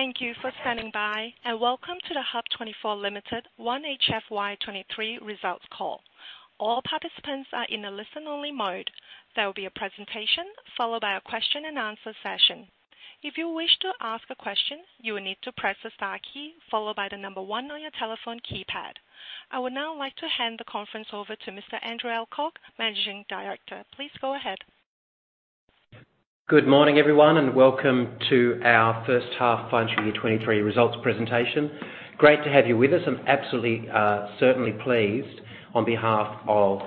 Thank you for standing by, welcome to the HUB24 Limited 1H FY2023 results call. All participants are in a listen-only mode. There will be a presentation followed by a question and answer session. If you wish to ask a question, you will need to press the star key followed by one on your telephone keypad. I would now like to hand the conference over to Mr. Andrew Alcock, Managing Director. Please go ahead. Good morning, everyone, and welcome to our first half financial year 23 results presentation. Great to have you with us. I'm absolutely, certainly pleased on behalf of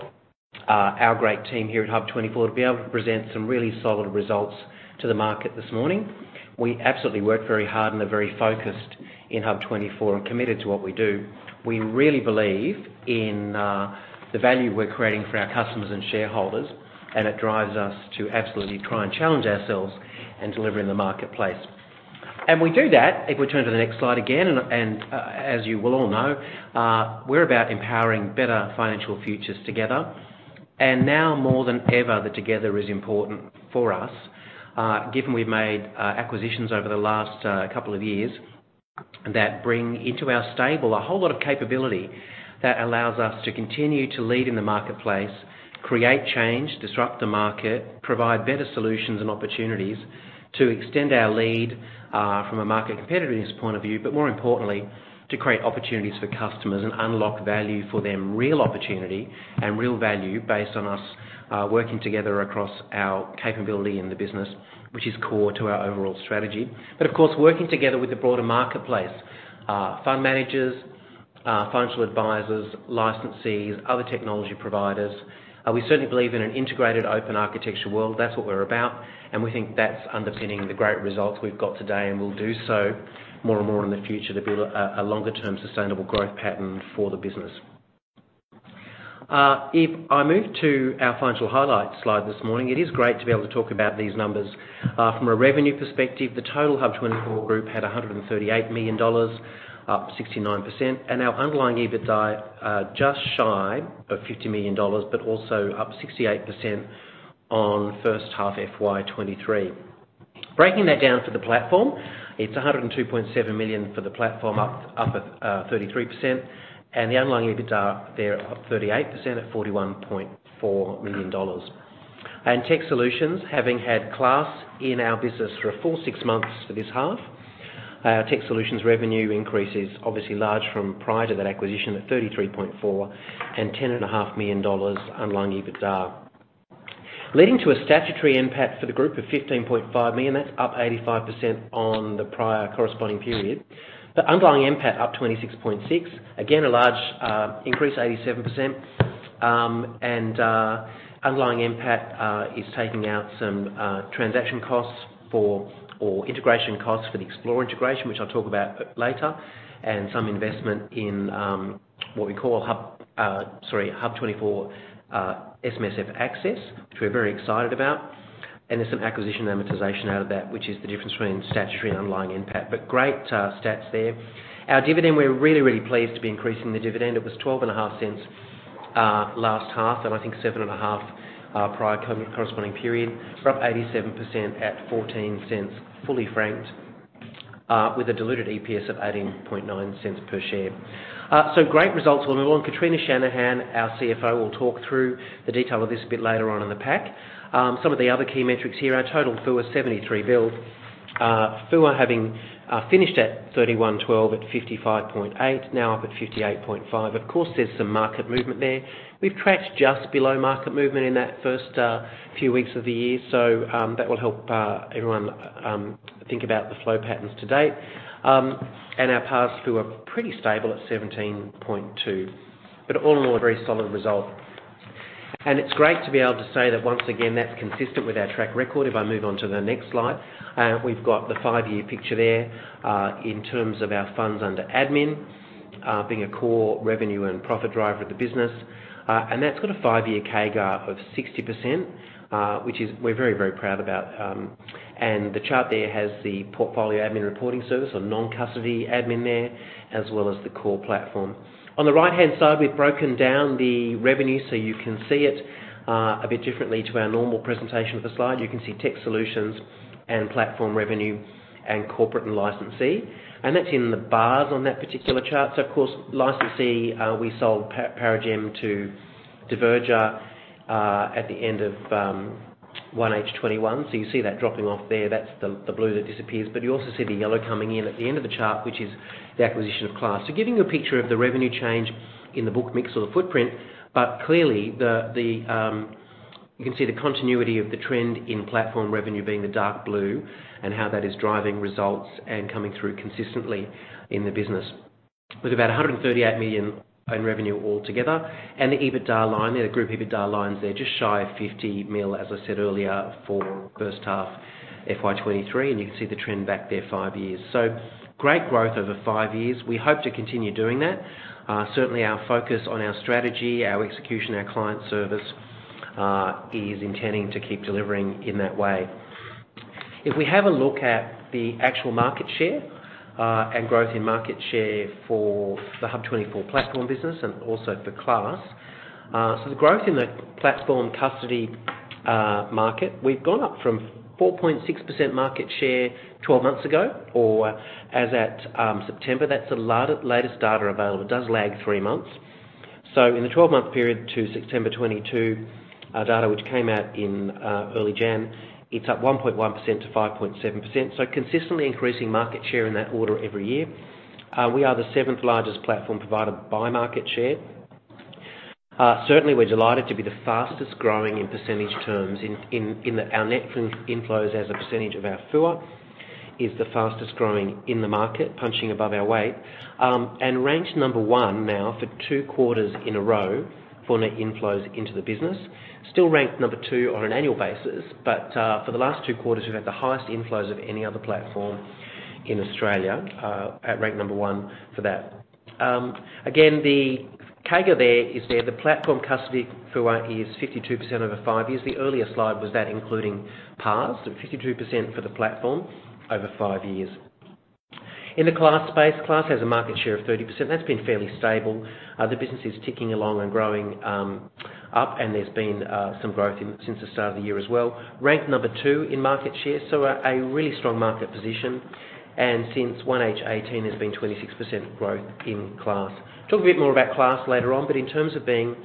our great team here at HUB24 to be able to present some really solid results to the market this morning. We absolutely work very hard and are very focused in HUB24 and committed to what we do. We really believe in the value we're creating for our customers and shareholders, and it drives us to absolutely try and challenge ourselves and deliver in the marketplace. We do that, if we turn to the next slide again. As you will all know, we're about empowering better financial futures together. Now more than ever, the together is important for us, given we've made acquisitions over the last couple of years that bring into our stable a whole lot of capability that allows us to continue to lead in the marketplace, create change, disrupt the market, provide better solutions and opportunities to extend our lead from a market competitiveness point of view. More importantly, to create opportunities for customers and unlock value for them. Real opportunity and real value based on us working together across our capability in the business, which is core to our overall strategy. Of course, working together with the broader marketplace, fund managers, financial advisors, licensees, other technology providers. We certainly believe in an integrated open architecture world. That's what we're about. We think that's underpinning the great results we've got today and will do so more and more in the future to build a longer-term sustainable growth pattern for the business. If I move to our financial highlights slide this morning, it is great to be able to talk about these numbers. From a revenue perspective, the total HUB24 Group had 138 million dollars, up 69%. Our underlying EBITDA, just shy of 50 million dollars, but also up 68% on first half FY23. Breaking that down for the platform, it's 102.7 million for the platform, up at 33%. The underlying EBITDA there up 38% at 41.4 million dollars. Tech Solutions, having had Class in our business for a full six months for this half, Tech Solutions revenue increase is obviously large from prior to that acquisition at 33.4% and 10.5 million dollars underlying EBITDA. Leading to a statutory NPAT for the group of 15.5 million, that's up 85% on the prior corresponding period. The underlying NPAT up 26.6 million. Again, a large, increase, 87%. Underlying NPAT is taking out some transaction costs or integration costs for the Xplore integration, which I'll talk about later, and some investment in what we call HUB, sorry, HUB24, SMSF Access, which we're very excited about. There's some acquisition amortization out of that, which is the difference between statutory and underlying NPAT. Great, stats there. Our dividend, we're really pleased to be increasing the dividend. It was 0.125 last half, and I think 0.075 prior corresponding period. We're up 87% at 0.14, fully franked, with a diluted EPS of 0.009 per share. Great results. We'll move along. Kitrina Shanahan, our CFO, will talk through the detail of this a bit later on in the pack. Some of the other key metrics here, our total FUA, 73 billion. FUA having finished at 31/12 at 55.8, now up at 58.5. Of course, there's some market movement there. We've tracked just below market movement in that first few weeks of the year. That will help everyone think about the flow patterns to date. Our past FUA pretty stable at 17.2. All in all, a very solid result. It's great to be able to say that once again, that's consistent with our track record. I move on to the next slide, we've got the 5-year picture there, in terms of our funds under admin, being a core revenue and profit driver of the business. That's got a 5-year CAGR of 60%, which is we're very, very proud about. The chart there has the Portfolio Administration and Reporting Service or non-custody admin there, as well as the core platform. On the right-hand side, we've broken down the revenue so you can see it a bit differently to our normal presentation of the slide. You can see Tech Solutions and platform revenue and corporate and licensee. That's in the bars on that particular chart. Of course, licensee, we sold Paragem to Diverger at the end of 1H 2021. You see that dropping off there. That's the blue that disappears. You also see the yellow coming in at the end of the chart, which is the acquisition of Class. Giving you a picture of the revenue change in the book mix or the footprint, but clearly you can see the continuity of the trend in platform revenue being the dark blue and how that is driving results and coming through consistently in the business. With about 138 million in revenue altogether and the EBITDA line, the group EBITDA line there just shy of 50 million, as I said earlier, for 1H FY23. You can see the trend back there five years. Great growth over five years. We hope to continue doing that. Certainly our focus on our strategy, our execution, our client service is intending to keep delivering in that way. We have a look at the actual market share and growth in market share for the HUB24 platform business and also for Class. The growth in the platform custody market, we've gone up from 4.6% market share 12 months ago or as at September, that's the latest data available, does lag 3 months. In the 12-month period to September 2022, data which came out in early January, it's up 1.1%-5.7%. Consistently increasing market share in that quarter every year. We are the seventh-largest platform provider by market share. Certainly, we're delighted to be the fastest-growing in percentage terms in our net inflows as a percentage of our FUA is the fastest-growing in the market, punching above our weight. Ranked number one now for two quarters in a row for net inflows into the business. Still ranked number two on an annual basis, for the last two quarters, we've had the highest inflows of any other platform in Australia, at rank number one for that. Again, the CAGR there is there. The platform custody FUA is 52% over five years. The earlier slide was that including Class, so 52% for the platform over five years. In the Class space, Class has a market share of 30%. That's been fairly stable. The business is ticking along and growing, up, there's been some growth since the start of the year as well. Ranked number two in market share, so a really strong market position. Since 1H18, there's been 26% growth in Class. Talk a bit more about Class later on, but in terms of being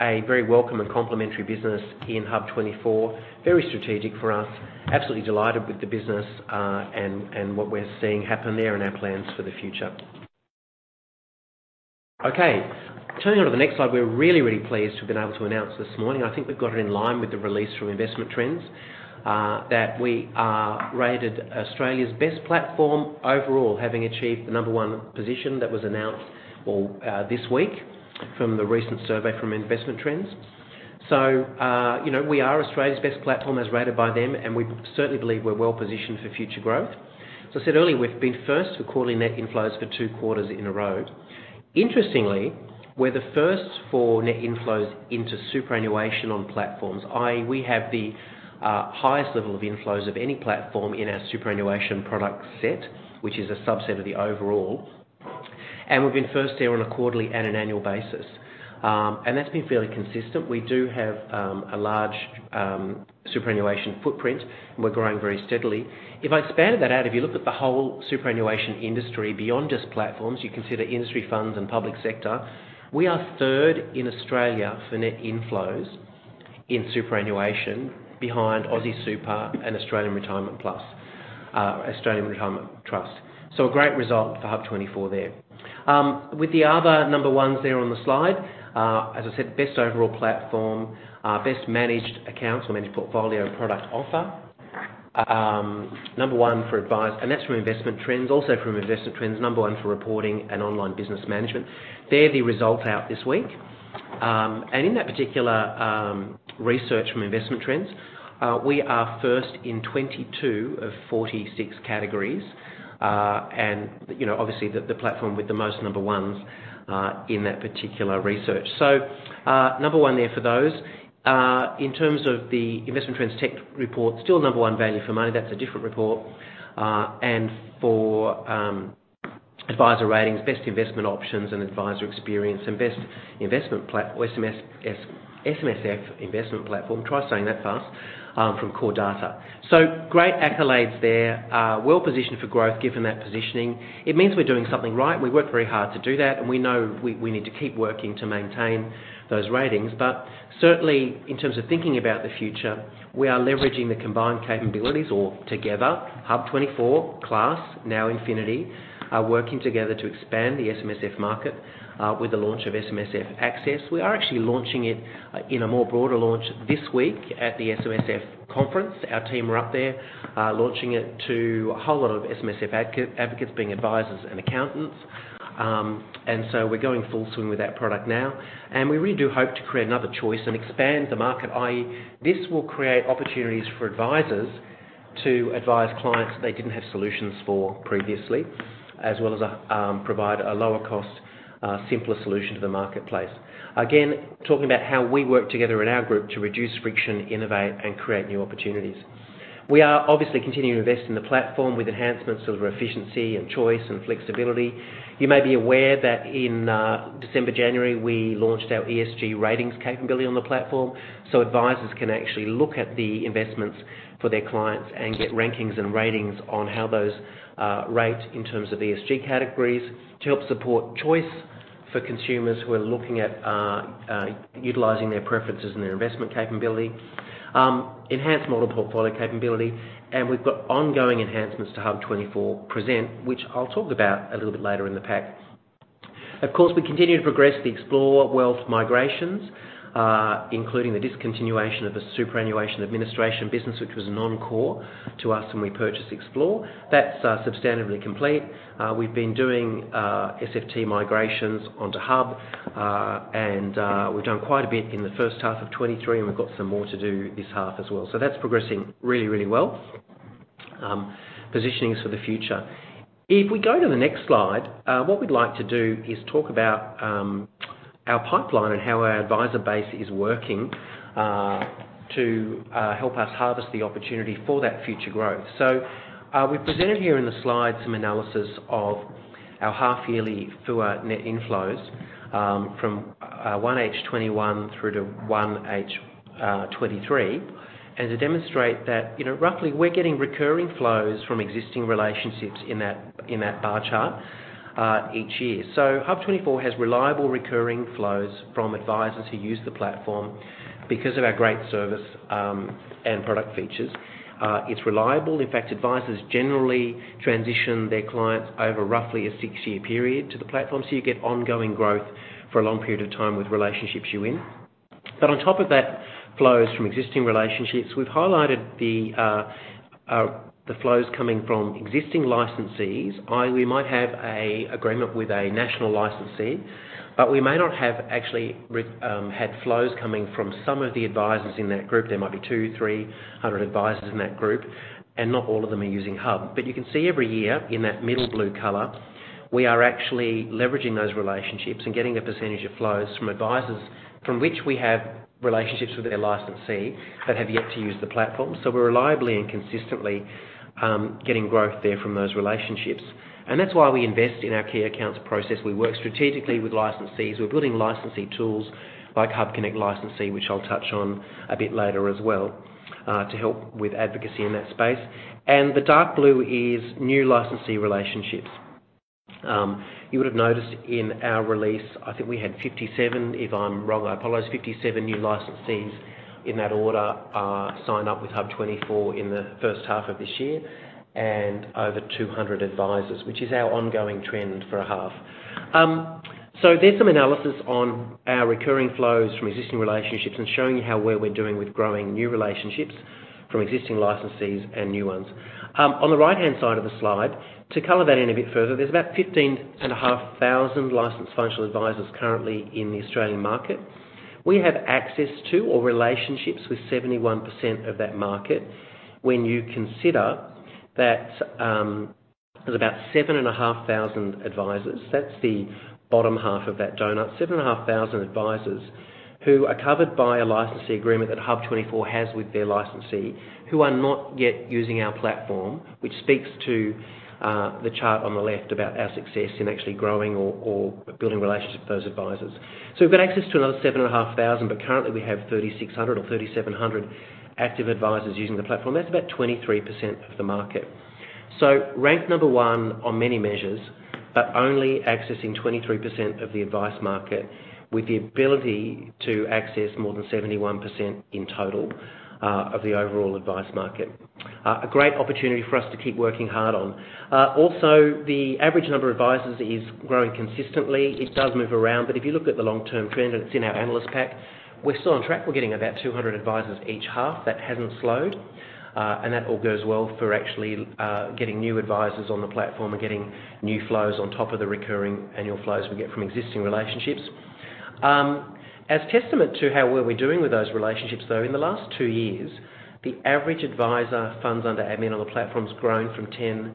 a very welcome and complementary business in HUB24, very strategic for us. Absolutely delighted with the business, and what we're seeing happen there in our plans for the future. Okay, turning onto the next slide. We're really, really pleased we've been able to announce this morning, I think we've got it in line with the release from Investment Trends, that we are rated Australia's best platform overall, having achieved the number one position that was announced, well, this week from the recent survey from Investment Trends. You know, we are Australia's best platform as rated by them, and we certainly believe we're well-positioned for future growth. I said earlier, we've been first for quarterly net inflows for two quarters in a row. Interestingly, we're the first for net inflows into superannuation on platforms, i.e. we have the highest level of inflows of any platform in our superannuation product set, which is a subset of the overall. We've been first there on a quarterly and an annual basis. That's been fairly consistent. We do have a large superannuation footprint, and we're growing very steadily. If I expanded that out, if you look at the whole superannuation industry beyond just platforms, you consider industry funds and public sector, we are 3rd in Australia for net inflows in superannuation behind AustralianSuper and Australian Retirement Trust. A great result for HUB24 there. With the other number ones there on the slide, as I said, best overall platform, best managed accounts or managed portfolio and product offer. Number one for advice, and that's from Investment Trends. Also from Investment Trends, number one for reporting and online business management. They're the result out this week. In that particular research from Investment Trends, we are first in 22 of 46 categories. You know, obviously the platform with the most number 1s in that particular research. Number one there for those. In terms of the Investment Trends Tech Report, still number one value for money, that's a different report. For Adviser Ratings, best investment options and advisor experience, and best investment SMSF investment platform, try saying that fast, from CoreData. Great accolades there. Well-positioned for growth given that positioning. It means we're doing something right. We work very hard to do that, and we know we need to keep working to maintain those ratings. Certainly, in terms of thinking about the future, we are leveraging the combined capabilities or together HUB24, Class, NowInfinity, are working together to expand the SMSF market with the launch of SMSF Access. We are actually launching it in a more broader launch this week at the SMSF conference. Our team are up there, launching it to a whole lot of SMSF advocates, being advisors and accountants. We're going full swing with that product now. We really do hope to create another choice and expand the market, i.e. this will create opportunities for advisors to advise clients they didn't have solutions for previously, as well as, provide a lower cost, simpler solution to the marketplace. Again, talking about how we work together in our group to reduce friction, innovate, and create new opportunities. We are obviously continuing to invest in the platform with enhancements of efficiency and choice and flexibility. You may be aware that in December, January, we launched our ESG ratings capability on the platform. Advisors can actually look at the investments for their clients and get rankings and ratings on how those rate in terms of ESG categories to help support choice for consumers who are looking at utilizing their preferences and their investment capability. Enhanced model portfolio capability, and we've got ongoing enhancements to HUB24 Present, which I'll talk about a little bit later in the pack. Of course, we continue to progress the Xplore Wealth migrations, including the discontinuation of the superannuation administration business, which was non-core to us when we purchased Xplore. That's substantively complete. We've been doing SFT migrations onto Hub, and we've done quite a bit in the first half of 23, and we've got some more to do this half as well. That's progressing really, really well. Positioning us for the future. If we go to the next slide, what we'd like to do is talk about our pipeline and how our advisor base is working to help us harvest the opportunity for that future growth. We've presented here in the slide some analysis of our half-yearly FUAR net inflows from 1H 2021 through to 1H 2023. To demonstrate that, you know, roughly, we're getting recurring flows from existing relationships in that bar chart each year. HUB24 has reliable recurring flows from advisors who use the platform because of our great service and product features. It's reliable. In fact, advisors generally transition their clients over roughly a six-year period to the platform, so you get ongoing growth for a long period of time with relationships you win. On top of that, flows from existing relationships. We've highlighted the flows coming from existing licensees. We might have a agreement with a national licensee, but we may not have actually had flows coming from some of the advisors in that group. There might be 200-300 advisors in that group, and not all of them are using HUB. You can see every year in that middle blue color, we are actually leveraging those relationships and getting a percentage of flows from advisors from which we have relationships with their licensee that have yet to use the platform. We're reliably and consistently getting growth there from those relationships. That's why we invest in our key accounts process. We work strategically with licensees. We're building licensee tools like HUBconnect Licensee, which I'll touch on a bit later as well, to help with advocacy in that space. The dark blue is new licensee relationships. You would have noticed in our release, I think we had 57, if I'm wrong, I apologize, 57 new licensees in that order, signed up with HUB24 in the first half of this year and over 200 advisors, which is our ongoing trend for a half. So there's some analysis on our recurring flows from existing relationships and showing how well we're doing with growing new relationships from existing licensees and new ones. On the right-hand side of the slide, to color that in a bit further, there's about 15,500 licensed functional advisors currently in the Australian market. We have access to or relationships with 71% of that market. When you consider that, there's about 7,500 advisors, that's the bottom half of that donut. 7,500 advisors who are covered by a licensee agreement that HUB24 has with their licensee, who are not yet using our platform, which speaks to the chart on the left about our success in actually growing or building relationships with those advisors. We've got access to another 7,500, but currently, we have 3,600 or 3,700 active advisors using the platform. That's about 23% of the market. Ranked one on many measures, but only accessing 23% of the advice market with the ability to access more than 71% in total of the overall advice market. A great opportunity for us to keep working hard on. Also the average number of advisors is growing consistently. It does move around, if you look at the long-term trend, and it's in our analyst pack, we're still on track. We're getting about 200 advisors each half. That hasn't slowed. That all goes well for actually getting new advisors on the platform and getting new flows on top of the recurring annual flows we get from existing relationships. As testament to how well we're doing with those relationships, though, in the last two years, the average advisor funds under admin on the platform has grown from 10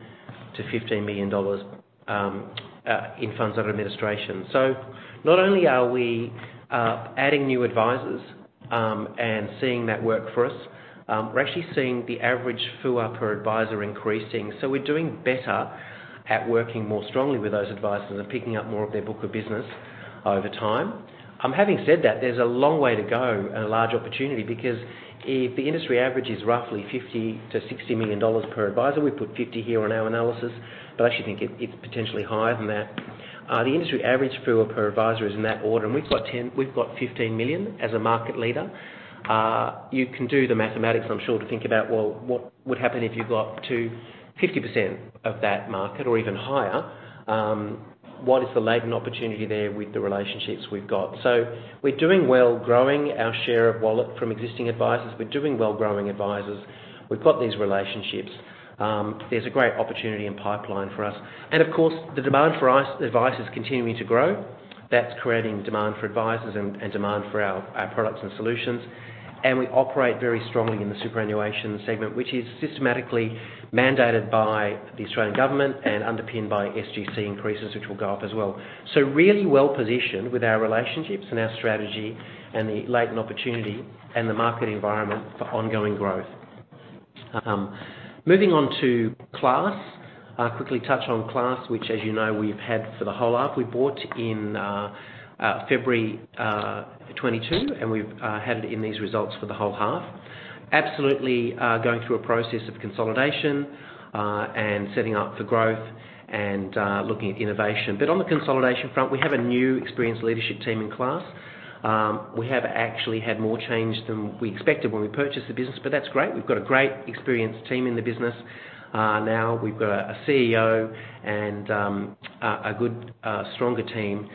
million-15 million dollars in funds under administration. Not only are we adding new advisors and seeing that work for us, we're actually seeing the average FUAR per advisor increasing. We're doing better at working more strongly with those advisors and picking up more of their book of business over time. Having said that, there's a long way to go and a large opportunity because if the industry average is roughly 50 million-60 million dollars per advisor, we put 50 here on our analysis, but I actually think it's potentially higher than that. The industry average FUAR per advisor is in that order, and we've got 15 million as a market leader. You can do the mathematics, I'm sure, to think about, well, what would happen if you got to 50% of that market or even higher? What is the latent opportunity there with the relationships we've got? We're doing well growing our share of wallet from existing advisors. We're doing well growing advisors. We've got these relationships. There's a great opportunity and pipeline for us. Of course, the demand for advisors continuing to grow. That's creating demand for advisors and demand for our products and solutions. We operate very strongly in the superannuation segment, which is systematically mandated by the Australian Government and underpinned by SGC increases, which will go up as well. Really well-positioned with our relationships and our strategy and the latent opportunity and the market environment for ongoing growth. Moving on to Class. I'll quickly touch on Class, which as you know, we've had for the whole half. We bought in February 2022, and we've had it in these results for the whole half. Absolutely, going through a process of consolidation and setting up for growth and looking at innovation. On the consolidation front, we have a new experienced leadership team in Class. We have actually had more change than we expected when we purchased the business, but that's great. We've got a great experienced team in the business. Now we've got a CEO and a good stronger team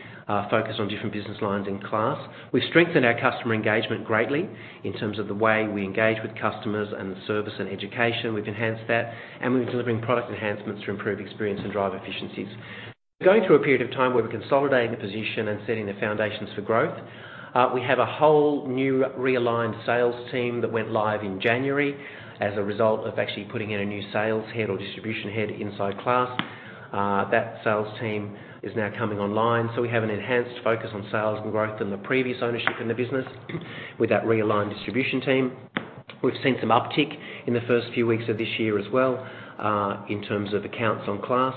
focused on different business lines in Class. We've strengthened our customer engagement greatly in terms of the way we engage with customers and the service and education, we've enhanced that, and we're delivering product enhancements to improve experience and drive efficiencies. We're going through a period of time where we're consolidating the position and setting the foundations for growth. We have a whole new realigned sales team that went live in January as a result of actually putting in a new sales head or distribution head inside Class. That sales team is now coming online, so we have an enhanced focus on sales and growth than the previous ownership in the business with that realigned distribution team. We've seen some uptick in the first few weeks of this year as well, in terms of accounts on Class.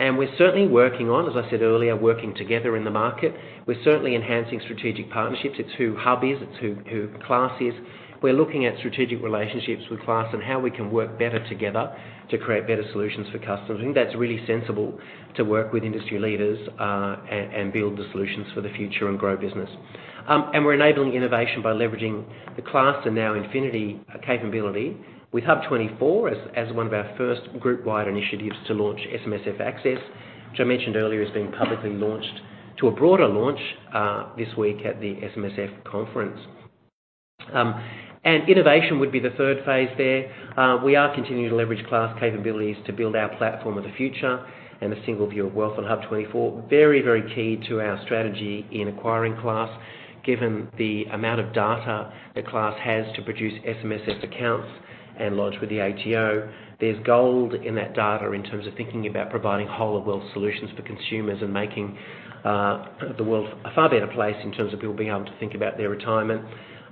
We're certainly working on, as I said earlier, working together in the market. We're certainly enhancing strategic partnerships. It's who HUB is, it's who Class is. We're looking at strategic relationships with Class and how we can work better together to create better solutions for customers. I think that's really sensible to work with industry leaders, and build the solutions for the future and grow business. We're enabling innovation by leveraging the Class and NowInfinity capability with HUB24 as one of our first group-wide initiatives to launch SMSF Access, which I mentioned earlier is being publicly launched to a broader launch this week at the SMSF conference. Innovation would be the third phase there. We are continuing to leverage Class capabilities to build our platform of the future and a single view of wealth on HUB24. Very, very key to our strategy in acquiring Class, given the amount of data that Class has to produce SMSF accounts and lodge with the ATO. There's gold in that data in terms of thinking about providing whole-of-world solutions for consumers and making the world a far better place in terms of people being able to think about their retirement.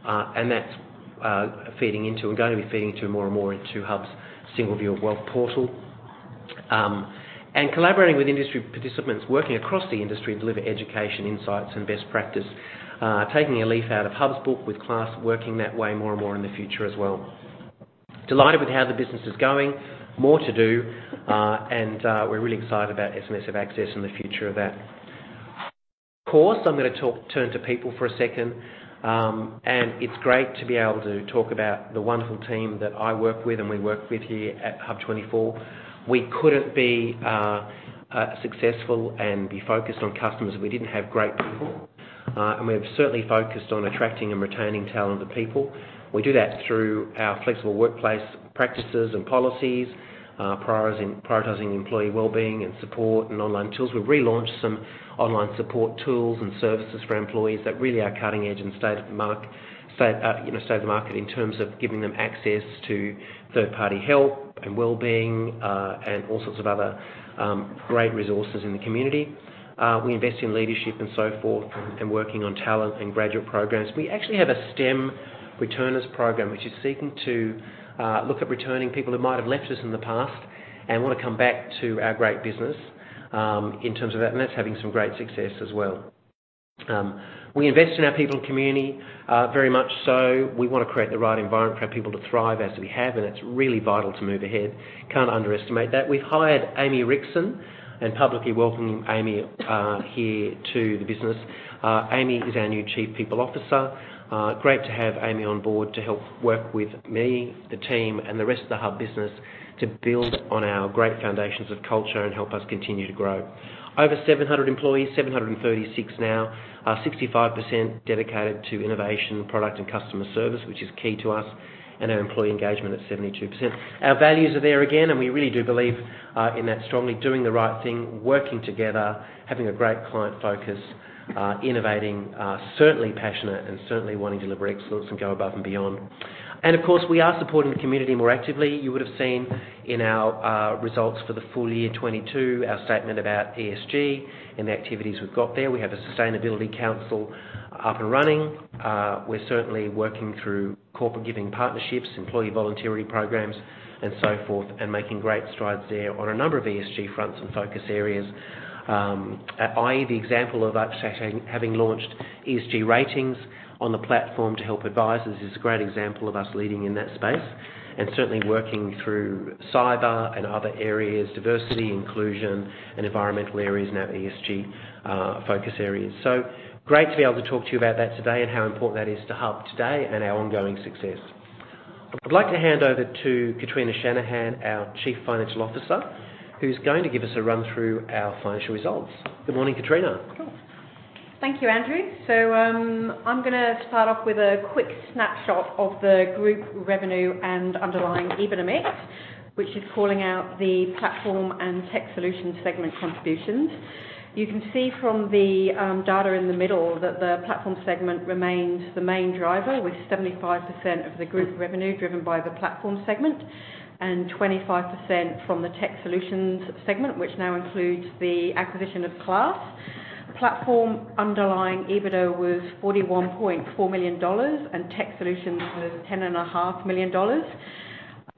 That's feeding more and more into HUB24's single view of wealth portal. Collaborating with industry participants, working across the industry to deliver education, insights, and best practice. Taking a leaf out of HUB24's book with Class, working that way more and more in the future as well. Delighted with how the business is going. More to do, and we're really excited about SMSF Access and the future of that. Course, I'm gonna turn to people for a second. It's great to be able to talk about the wonderful team that I work with and we work with here at HUB24. We couldn't be successful and be focused on customers if we didn't have great people. We have certainly focused on attracting and retaining talented people. We do that through our flexible workplace practices and policies, prioritizing employee wellbeing and support and online tools. We've relaunched some online support tools and services for employees that really are cutting-edge and you know, state-of-the-market in terms of giving them access to third-party help and wellbeing and all sorts of other great resources in the community. We invest in leadership and so forth and working on talent and graduate programs. We actually have a STEM returners program, which is seeking to look at returning people who might have left us in the past and wanna come back to our great business in terms of that, and that's having some great success as well. We invest in our people and community very much so. We wanna create the right environment for our people to thrive as we have, and it's really vital to move ahead. Can't underestimate that. We've hired Amy Rixon, and publicly welcome Amy here to the business. Amy is our new Chief People Officer. Great to have Amy on board to help work with me, the team, and the rest of the HUB business to build on our great foundations of culture and help us continue to grow. Over 700 employees, 736 now. 65% dedicated to innovation, product, and customer service, which is key to us, and our employee engagement at 72%. Our values are there again, and we really do believe in that strongly. Doing the right thing, working together, having a great client focus, innovating, certainly passionate, and certainly wanting to deliver excellence and go above and beyond. Of course, we are supporting the community more actively. You would've seen in our results for the full year 2022, our statement about ESG and the activities we've got there. We have a sustainability council up and running. We're certainly working through corporate giving partnerships, employee voluntary programs, and so forth, and making great strides there on a number of ESG fronts and focus areas. I.e., the example of us actually having launched ESG ratings on the platform to help advisors is a great example of us leading in that space. Certainly working through cyber and other areas, diversity, inclusion, and environmental areas in our ESG focus areas. Great to be able to talk to you about that today and how important that is to HUB24 today and our ongoing success. I'd like to hand over to Kitrina Shanahan, our Chief Financial Officer, who's going to give us a run through our financial results. Good morning, Kitrina. Sure. Thank you, Andrew. I'm gonna start off with a quick snapshot of the group revenue and underlying EBIT, which is calling out the platform and tech solutions segment contributions. You can see from the data in the middle that the platform segment remains the main driver with 75% of the group revenue driven by the platform segment and 25% from the tech solutions segment, which now includes the acquisition of Class. The platform underlying EBITDA was 41.4 million dollars and tech solutions was ten and a half million dollars.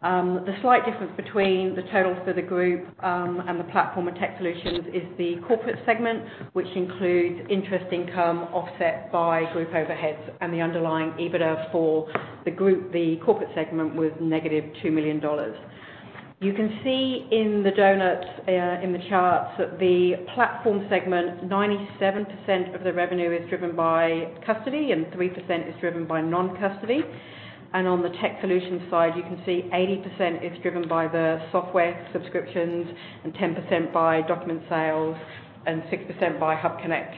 The slight difference between the totals for the group and the platform and tech solutions is the corporate segment, which includes interest income offset by group overheads and the underlying EBITDA for the group. The corporate segment was negative 2 million dollars. You can see in the donut, in the charts that the platform segment, 97% of the revenue is driven by custody and 3% is driven by non-custody. On the tech solutions side, you can see 80% is driven by the software subscriptions and 10% by document sales and 6% by HUBconnect,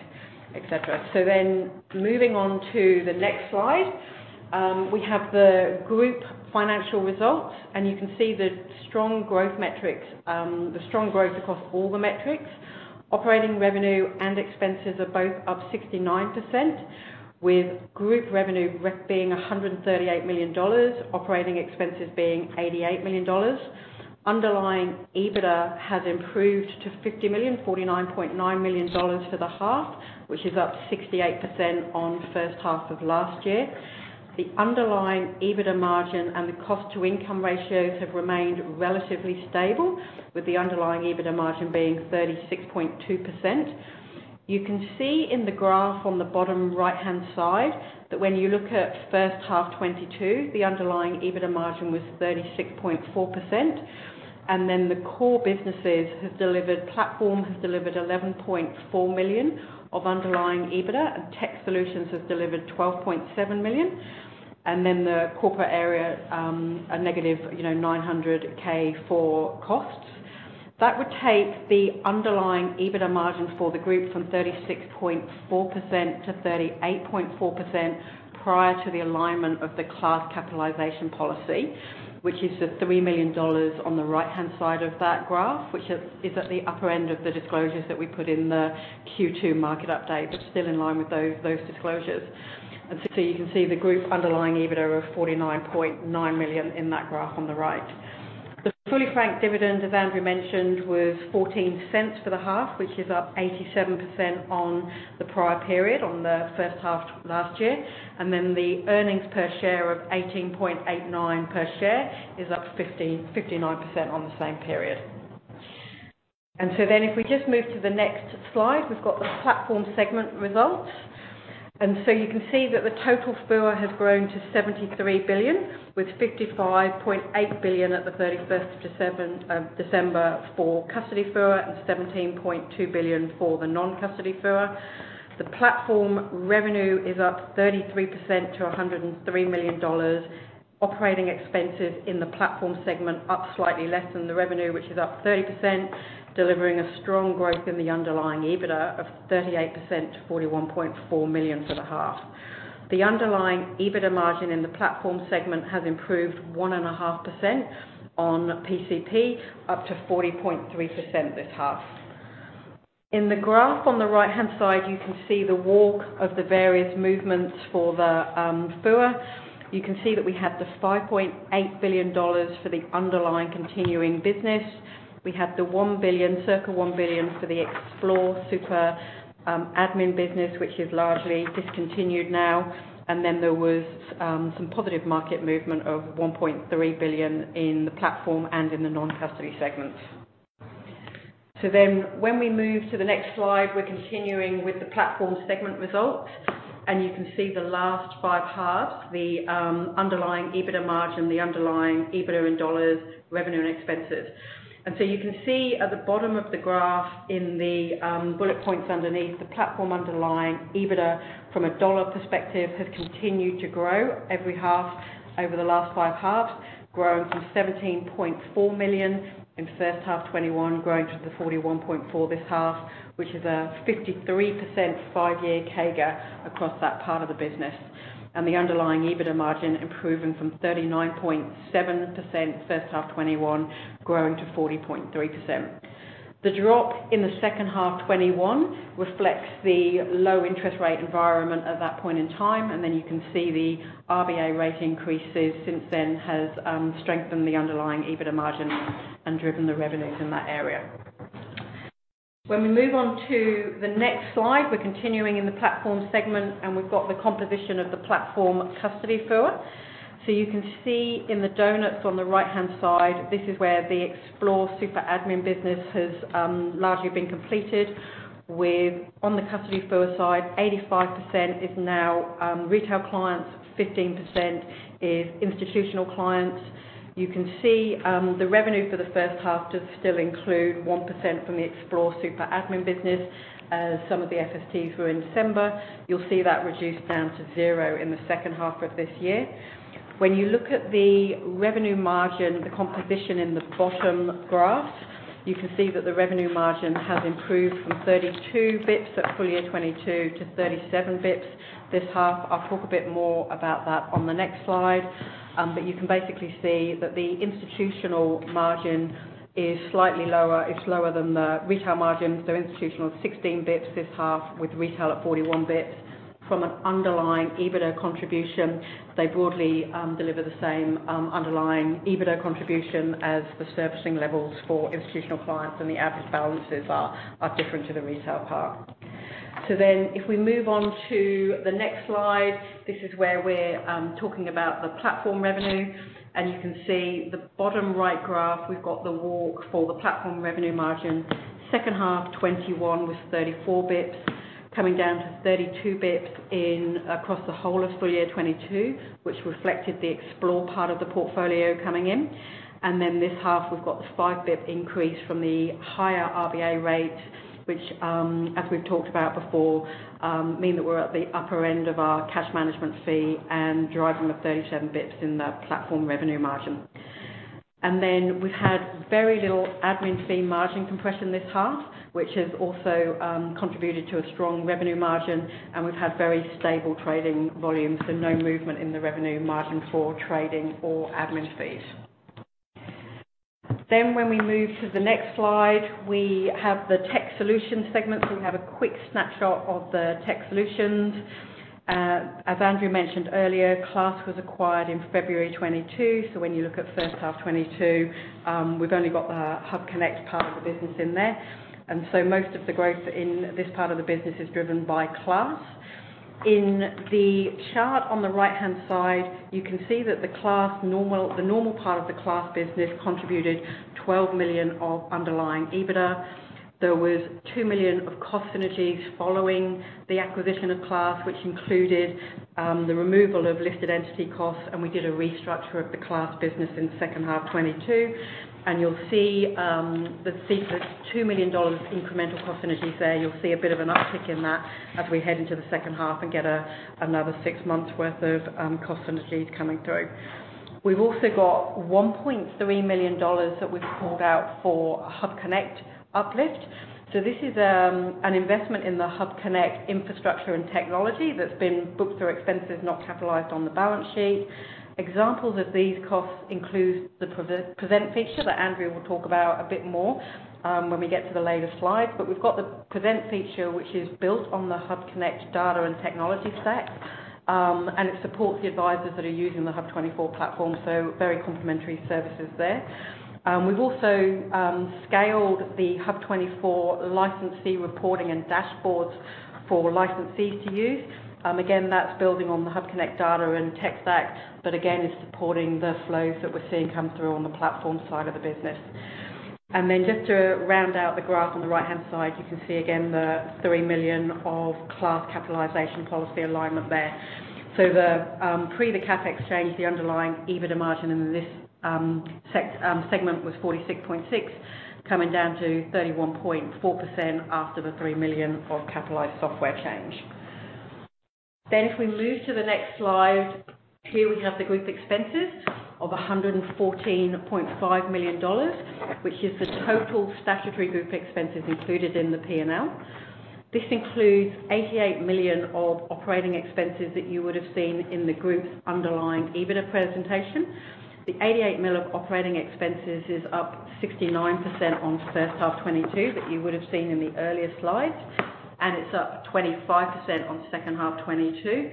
et cetera. Moving on to the next slide. We have the group financial results, and you can see the strong growth metrics, the strong growth across all the metrics. Operating revenue and expenses are both up 69%, with group revenue being 138 million dollars, operating expenses being 88 million dollars. Underlying EBITDA has improved to 50 million, 49.9 million dollars for the half, which is up 68% on first half of last year. The underlying EBITDA margin and the cost to income ratios have remained relatively stable, with the underlying EBITDA margin being 36.2%. You can see in the graph on the bottom right-hand side that when you look at first half 2022, the underlying EBITDA margin was 36.4%. The core businesses have delivered, platform has delivered 11.4 million of underlying EBITDA, and tech solutions have delivered 12.7 million. The corporate area, a negative, you know, 900K for costs. That would take the underlying EBITDA margin for the group from 36.4%-38.4% prior to the alignment of the Class capitalization policy, which is the 3 million dollars on the right-hand side of that graph, which is at the upper end of the disclosures that we put in the Q2 market update. Still in line with those disclosures. You can see the group underlying EBITDA of 49.9 million in that graph on the right. The fully franked dividend, as Andrew mentioned, was 0.14 for the half, which is up 87% on the prior period on the first half last year. The earnings per share of 0.1889 per share is up 59% on the same period. If we just move to the next slide, we've got the platform segment results. You can see that the total FUA has grown to 73 billion, with 55.8 billion at the 31st of December for custody FUA and 17.2 billion for the non-custody FUA. The platform revenue is up 33% to 103 million dollars. Operating expenses in the platform segment up slightly less than the revenue, which is up 30%, delivering a strong growth in the underlying EBITDA of 38% to 41.4 million for the half. The underlying EBITDA margin in the platform segment has improved 1.5% on PCP, up to 40.3% this half. In the graph on the right-hand side, you can see the walk of the various movements for the FUA. You can see that we had the 5.8 billion dollars for the underlying continuing business. We had the 1 billion, circa 1 billion for the Xplore Super Admin business, which is largely discontinued now. There was some positive market movement of 1.3 billion in the platform and in the non-custody segments. When we move to the next slide, we're continuing with the platform segment results, and you can see the last five halves, the underlying EBITDA margin, the underlying EBITDA in AUD, revenue, and expenses. You can see at the bottom of the graph in the bullet points underneath the platform underlying EBITDA from a dollar perspective, has continued to grow every half over the last five halves, growing from 17.4 million in 1H 2021, growing to the 41.4 million this half, which is a 53% 5-year CAGR across that part of the business. The underlying EBITDA margin improving from 39.7% 1H 2021, growing to 40.3%. The drop in the 2H 2021 reflects the low interest rate environment at that point in time. You can see the RBA rate increases since then has strengthened the underlying EBITDA margin and driven the revenues in that area. We move on to the next slide, we're continuing in the platform segment, we've got the composition of the platform custody FUA. You can see in the donuts on the right-hand side, this is where the Xplore Super Admin business has largely been completed. With, on the custody FUA side, 85% is now retail clients, 15% is institutional clients. You can see, the revenue for the first half does still include 1% from the Xplore Super Admin business as some of the SFTs were in December. You'll see that reduced down to zero in the second half of this year. You look at the revenue margin, the composition in the bottom graph, you can see that the revenue margin has improved from 32 basis points at full year 2022 to 37 basis points this half. I'll talk a bit more about that on the next slide. But you can basically see that the institutional margin is slightly lower. It's lower than the retail margin, so institutional is 16 bps this half with retail at 41 bps. From an underlying EBITDA contribution, they broadly deliver the same underlying EBITDA contribution as the servicing levels for institutional clients and the average balances are different to the retail part. If we move on to the next slide, this is where we're talking about the platform revenue. You can see the bottom right graph, we've got the walk for the platform revenue margin. Second half 2021 was 34 bps, coming down to 32 bps in, across the whole of full year 2022, which reflected the Xplore part of the portfolio coming in. This half we've got the five bps increase from the higher RBA rate, which, as we've talked about before, mean that we're at the upper end of our cash management fee and driving the 37 bps in the platform revenue margin. We've had very little admin fee margin compression this half, which has also contributed to a strong revenue margin, and we've had very stable trading volumes and no movement in the revenue margin for trading or admin fees. When we move to the next slide, we have the tech solution segment. We have a quick snapshot of the tech solutions. As Andrew mentioned earlier, Class was acquired in February 22. When you look at first half 22, we've only got the HUBconnect part of the business in there. Most of the growth in this part of the business is driven by Class. In the chart on the right-hand side, you can see that the normal part of the Class business contributed 12 million of underlying EBITDA. There was 2 million of cost synergies following the acquisition of Class, which included the removal of listed entity costs, and we did a restructure of the Class business in second half 2022. You'll see the fee for 2 million dollars incremental cost synergies there. You'll see a bit of an uptick in that as we head into the second half and get another six months worth of cost synergies coming through. We've also got 1.3 million dollars that we've called out for HUBconnect uplift. This is an investment in the HUBconnect infrastructure and technology that's been booked through expenses, not capitalized on the balance sheet. Examples of these costs include the pre-Present feature that Andrew will talk about a bit more when we get to the later slides. We've got the Present feature, which is built on the HUBconnect data and technology stack, and it supports the advisors that are using the HUB24 platform, so very complementary services there. We've also scaled the HUB24 licensee reporting and dashboards for licensees to use. Again, that's building on the HUBconnect data and tech stack, but again, is supporting the flows that we're seeing come through on the platform side of the business. Just to round out the graph on the right-hand side, you can see again the 3 million of Class capitalization policy alignment there. The pre the CapEx change, the underlying EBITDA margin in this segment was 46.6, coming down to 31.4% after the 3 million of capitalized software change. If we move to the next slide, here we have the group expenses of 114.5 million dollars, which is the total statutory group expenses included in the P&L. This includes 88 million of operating expenses that you would have seen in the group's underlying EBITDA presentation. The 88 million of operating expenses is up 69% on first half 2022 that you would have seen in the earlier slides, and it's up 25% on second half 2022.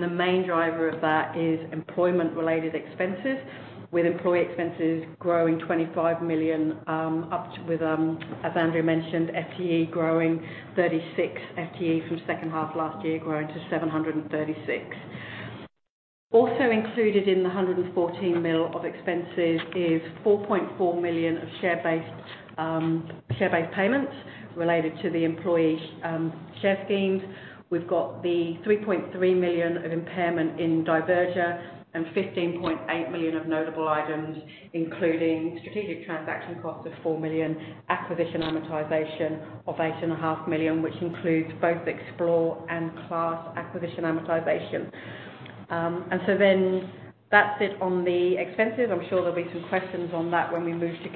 The main driver of that is employment-related expenses, with employee expenses growing 25 million, up with, as Andrew mentioned, FTE growing 36 FTE from second half last year growing to 736. Also included in the 114 million of expenses is 4.4 million of share-based, share-based payments related to the employee, share schemes. We've got the 3.3 million of impairment in Diverger and 15.8 million of notable items, including strategic transaction costs of 4 million, acquisition amortization of eight and a half million, which includes both Xplore and Class acquisition amortization. That's it on the expenses. I'm sure there'll be some questions on that when we move to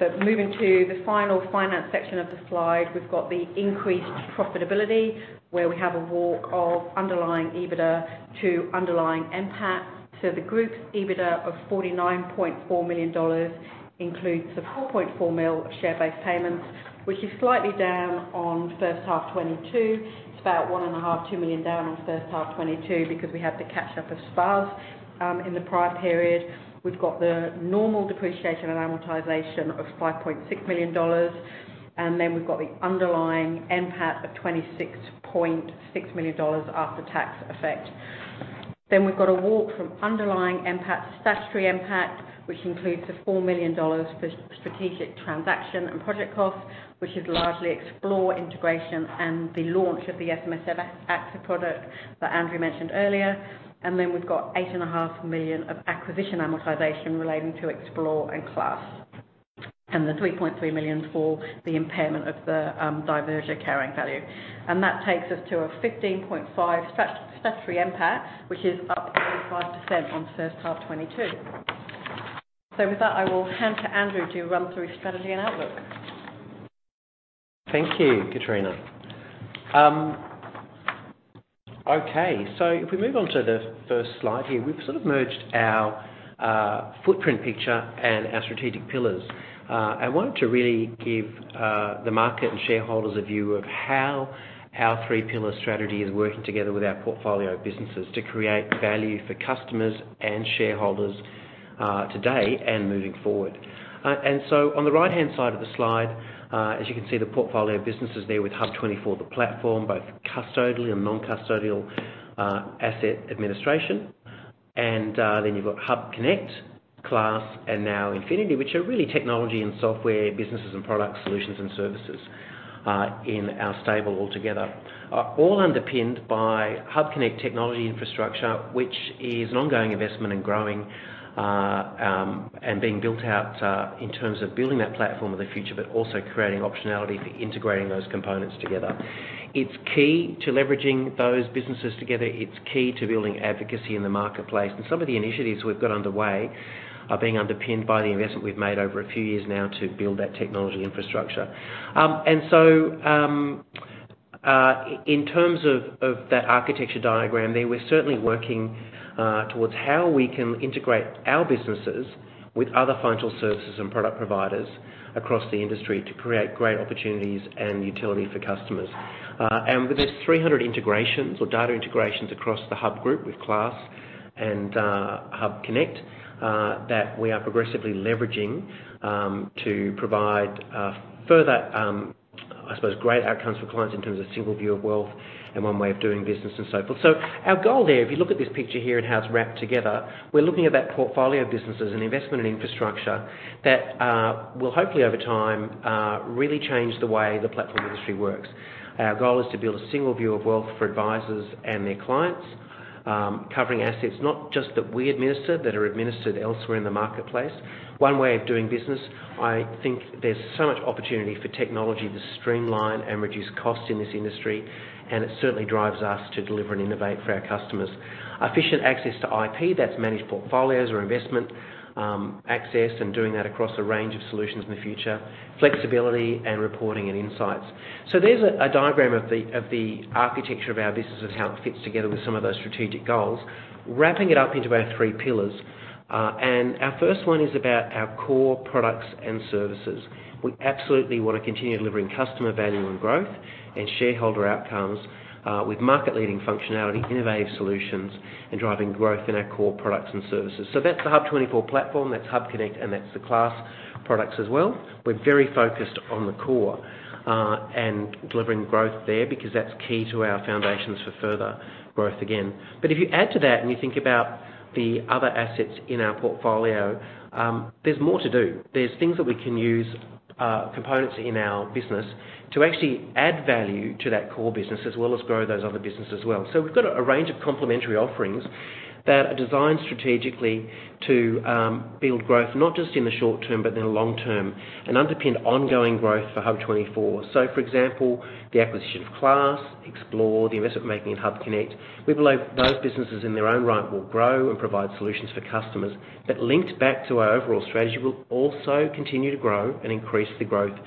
Q&A. Moving to the final finance section of the slide, we've got the increased profitability, where we have a walk of underlying EBITDA to underlying NPAT. The group's EBITDA of 49.4 million dollars includes the 4.4 million of share-based payments, which is slightly down on first half 2022. It's about 1.5 million-2 million down on first half 2022 because we have the catch up of SPAS. In the prior period, we've got the normal depreciation and amortization of 5.6 million dollars, we've got the underlying NPAT of 26.6 million dollars after tax effect. We've got a walk from underlying NPAT to statutory NPAT, which includes the 4 million dollars for strategic transaction and project costs, which is largely Xplore integration and the launch of the SMSF Access product that Andrew mentioned earlier. Then we've got 8.5 million of acquisition amortization relating to Xplore and Class. The 3.3 million for the impairment of the Diverger carrying value. That takes us to a 15.5 statutory NPAT, which is up 35% on first half 2022. With that, I will hand to Andrew to run through strategy and outlook. Thank you, Katrina. If we move on to the first slide here, we've sort of merged our footprint picture and our strategic pillars. I wanted to really give the market and shareholders a view of how our three pillar strategy is working together with our portfolio of businesses to create value for customers and shareholders today and moving forward. On the right-hand side of the slide, as you can see, the portfolio of business is there with HUB24, the platform, both custodial and non-custodial, asset administration. You've got HUBconnect, Class, and NowInfinity, which are really technology and software businesses and product solutions and services in our stable altogether. All underpinned by HUBconnect technology infrastructure, which is an ongoing investment in growing, and being built out in terms of building that platform of the future, but also creating optionality for integrating those components together. It's key to leveraging those businesses together. It's key to building advocacy in the marketplace. Some of the initiatives we've got underway are being underpinned by the investment we've made over a few years now to build that technology infrastructure. In terms of that architecture diagram there, we're certainly working towards how we can integrate our businesses with other financial services and product providers across the industry to create great opportunities and utility for customers. With this 300 integrations or data integrations across the HUB group with Class and HUBconnect that we are progressively leveraging to provide further, I suppose, great outcomes for clients in terms of single view of wealth and one way of doing business and so forth. Our goal there, if you look at this picture here and how it's wrapped together, we're looking at that portfolio of businesses and investment in infrastructure that will hopefully over time really change the way the platform industry works. Our goal is to build a single view of wealth for advisors and their clients, covering assets, not just that we administer, that are administered elsewhere in the marketplace. One way of doing business, I think there's so much opportunity for technology to streamline and reduce costs in this industry, and it certainly drives us to deliver and innovate for our customers. Efficient access to IP, that's managed portfolios or investment access, and doing that across a range of solutions in the future. Flexibility and reporting and insights. There's a diagram of the, of the architecture of our business and how it fits together with some of those strategic goals, wrapping it up into our three pillars. Our first one is about our core products and services. We absolutely wanna continue delivering customer value and growth and shareholder outcomes with market-leading functionality, innovative solutions, and driving growth in our core products and services. That's the HUB24 platform, that's HUBconnect, and that's the Class products as well. We're very focused on the core, and delivering growth there because that's key to our foundations for further growth again. If you add to that and you think about the other assets in our portfolio, there's more to do. There's things that we can use, components in our business to actually add value to that core business as well as grow those other businesses as well. We've got a range of complementary offerings that are designed strategically to build growth, not just in the short term, but in the long term, and underpin ongoing growth for HUB24. For example, the acquisition of Class, Xplore, the investment we're making in HUBconnect. We believe those businesses in their own right will grow and provide solutions for customers that linked back to our overall strategy, will also continue to grow and increase the growth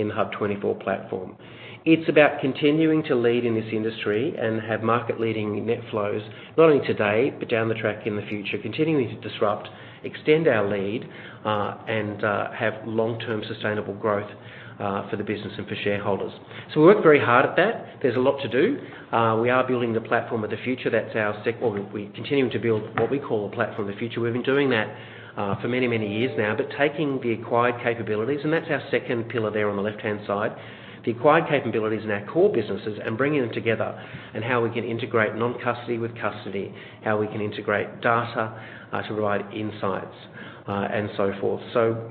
in the HUB24 platform. It's about continuing to lead in this industry and have market-leading net flows, not only today, but down the track in the future, continuing to disrupt, extend our lead, and have long-term sustainable growth for the business and for shareholders. We work very hard at that. There's a lot to do. We are building the platform of the future. Well, we continue to build what we call a platform of the future. We've been doing that for many, many years now, but taking the acquired capabilities, and that's our second pillar there on the left-hand side, the acquired capabilities in our core businesses and bringing them together and how we can integrate non-custody with custody, how we can integrate data to provide insights and so forth.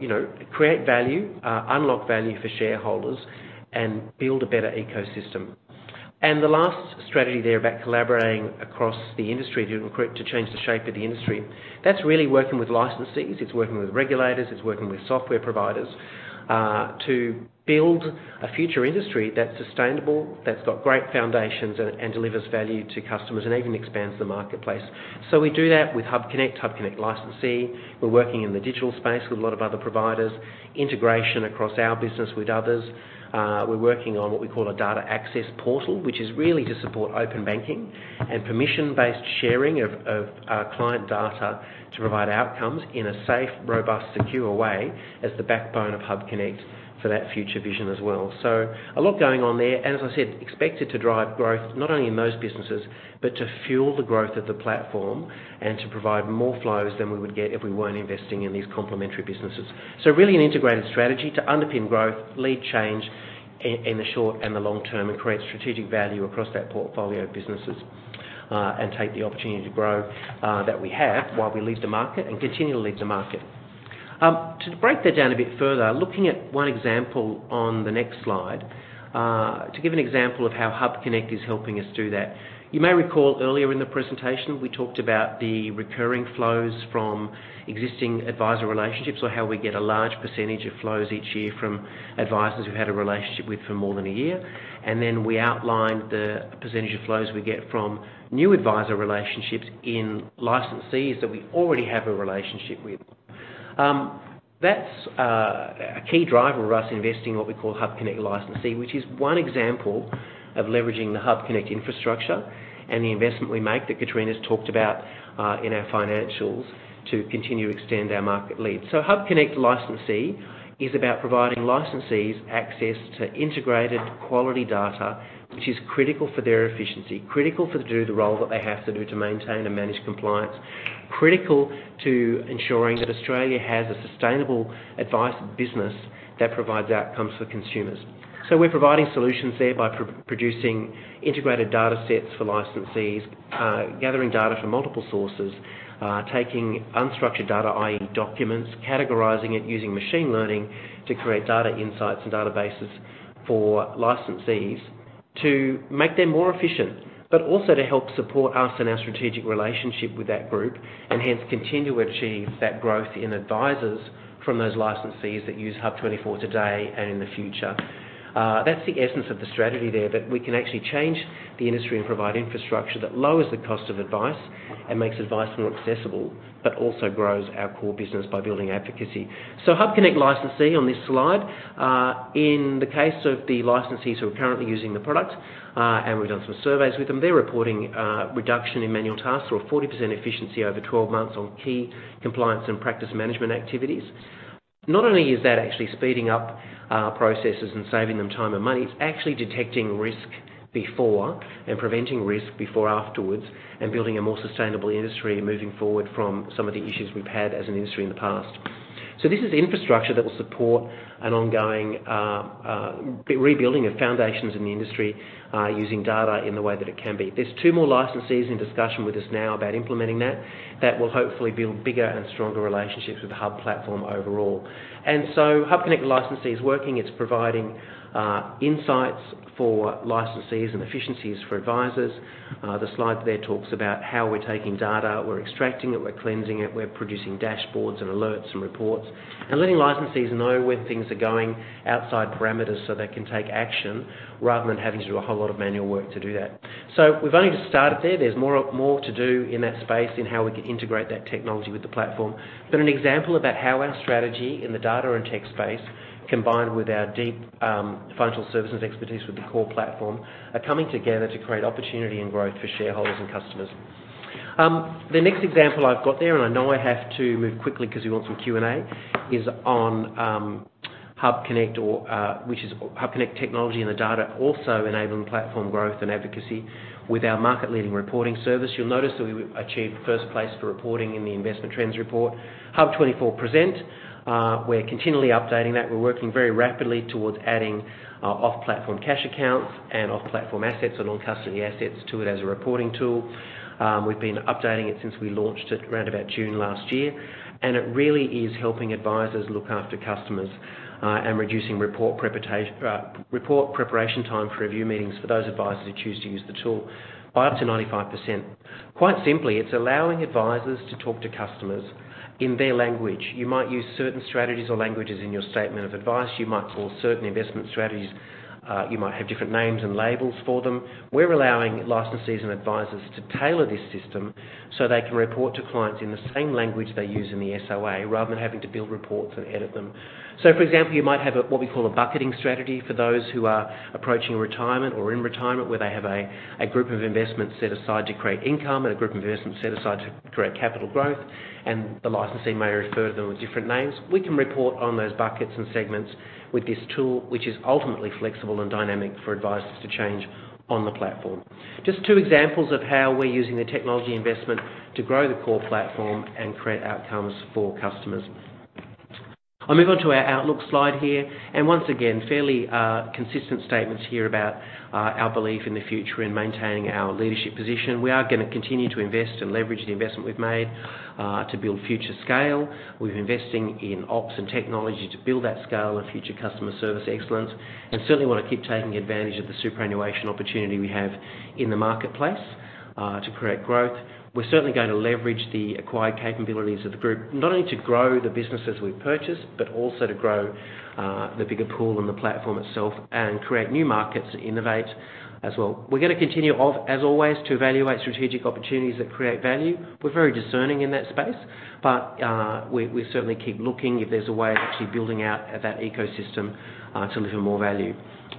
You know, create value, unlock value for shareholders and build a better ecosystem. The last strategy there about collaborating across the industry to change the shape of the industry, that's really working with licensees, it's working with regulators, it's working with software providers to build a future industry that's sustainable, that's got great foundations and delivers value to customers and even expands the marketplace. We do that with HUBconnect Licensee. We're working in the digital space with a lot of other providers, integration across our business with others. We're working on what we call a data access portal, which is really to support open banking and permission-based sharing of client data to provide outcomes in a safe, robust, secure way as the backbone of HUBconnect for that future vision as well. A lot going on there. As I said, expected to drive growth, not only in those businesses, but to fuel the growth of the platform and to provide more flows than we would get if we weren't investing in these complementary businesses. Really an integrated strategy to underpin growth, lead change in the short and the long term, and create strategic value across that portfolio of businesses and take the opportunity to grow that we have while we lead the market and continue to lead the market. To break that down a bit further, looking at one example on the next slide, to give an example of how HUBconnect is helping us do that. You may recall earlier in the presentation, we talked about the recurring flows from existing advisor relationships or how we get a large percentage of flows each year from advisors we've had a relationship with for more than a year. Then we outlined the percentage of flows we get from new advisor relationships in licensees that we already have a relationship with. That's a key driver of us investing in what we call HUBconnect Licensee, which is one example of leveraging the HUBconnect infrastructure and the investment we make that Kitrina's talked about in our financials to continue to extend our market lead. HUBconnect Licensee is about providing licensees access to integrated quality data, which is critical for their efficiency, critical to do the role that they have to do to maintain and manage compliance, critical to ensuring that Australia has a sustainable advice business that provides outcomes for consumers. We're providing solutions there by producing integrated data sets for licensees, gathering data from multiple sources, taking unstructured data, i.e. documents, categorizing it using machine learning to create data insights and databases for licensees to make them more efficient, but also to help support us in our strategic relationship with that group and hence continue to achieve that growth in advisors from those licensees that use HUB24 today and in the future. That's the essence of the strategy there, that we can actually change the industry and provide infrastructure that lowers the cost of advice and makes advice more accessible, but also grows our core business by building advocacy. HUBconnect Licensee on this slide, in the case of the licensees who are currently using the product, and we've done some surveys with them, they're reporting reduction in manual tasks or a 40% efficiency over 12 months on key compliance and practice management activities. Not only is that actually speeding up processes and saving them time and money, it's actually detecting risk before and preventing risk before afterwards and building a more sustainable industry and moving forward from some of the issues we've had as an industry in the past. This is infrastructure that will support an ongoing rebuilding of foundations in the industry using data in the way that it can be. There's two more licensees in discussion with us now about implementing that will hopefully build bigger and stronger relationships with the HUB platform overall. HUBconnect licensees working, it's providing insights for licensees and efficiencies for advisers. The slide there talks about how we're taking data, we're extracting it, we're cleansing it, we're producing dashboards and alerts and reports and letting licensees know when things are going outside parameters so they can take action rather than having to do a whole lot of manual work to do that. We've only just started there. There's more to do in that space in how we can integrate that technology with the platform. An example about how our strategy in the data and tech space, combined with our deep financial services expertise with the core platform, are coming together to create opportunity and growth for shareholders and customers. The next example I've got there, and I know I have to move quickly because we want some Q&A, is on HUBconnect or which is HUBconnect technology, and the data also enabling platform growth and advocacy with our market-leading reporting service. You'll notice that we achieved first place for reporting in the Investment Trends report. HUB24 Present. We're continually updating that. We're working very rapidly towards adding off-platform cash accounts and off-platform assets or non-custody assets to it as a reporting tool. We've been updating it since we launched it around about June last year, and it really is helping advisors look after customers and reducing report preparation time for review meetings for those advisors who choose to use the tool by up to 95%. Quite simply, it's allowing advisors to talk to customers in their language. You might use certain strategies or languages in your statement of advice. You might call certain investment strategies, you might have different names and labels for them. We're allowing licensees and advisors to tailor this system so they can report to clients in the same language they use in the SOA rather than having to build reports and edit them. For example, you might have a what we call a bucketing strategy for those who are approaching retirement or in retirement, where they have a group of investments set aside to create income and a group investment set aside to create capital growth. The licensee may refer to them with different names. We can report on those buckets and segments with this tool, which is ultimately flexible and dynamic for advisers to change on the platform. Just two examples of how we're using the technology investment to grow the core platform and create outcomes for customers. I'll move on to our outlook slide here. Once again, fairly consistent statements here about our belief in the future in maintaining our leadership position. We are gonna continue to invest and leverage the investment we've made to build future scale. We're investing in ops and technology to build that scale and future customer service excellence, and certainly wanna keep taking advantage of the superannuation opportunity we have in the marketplace to create growth. We're certainly going to leverage the acquired capabilities of the group, not only to grow the businesses we've purchased, but also to grow the bigger pool and the platform itself and create new markets to innovate as well. We're gonna continue as always, to evaluate strategic opportunities that create value. We're very discerning in that space, we certainly keep looking if there's a way of actually building out that ecosystem to deliver more value.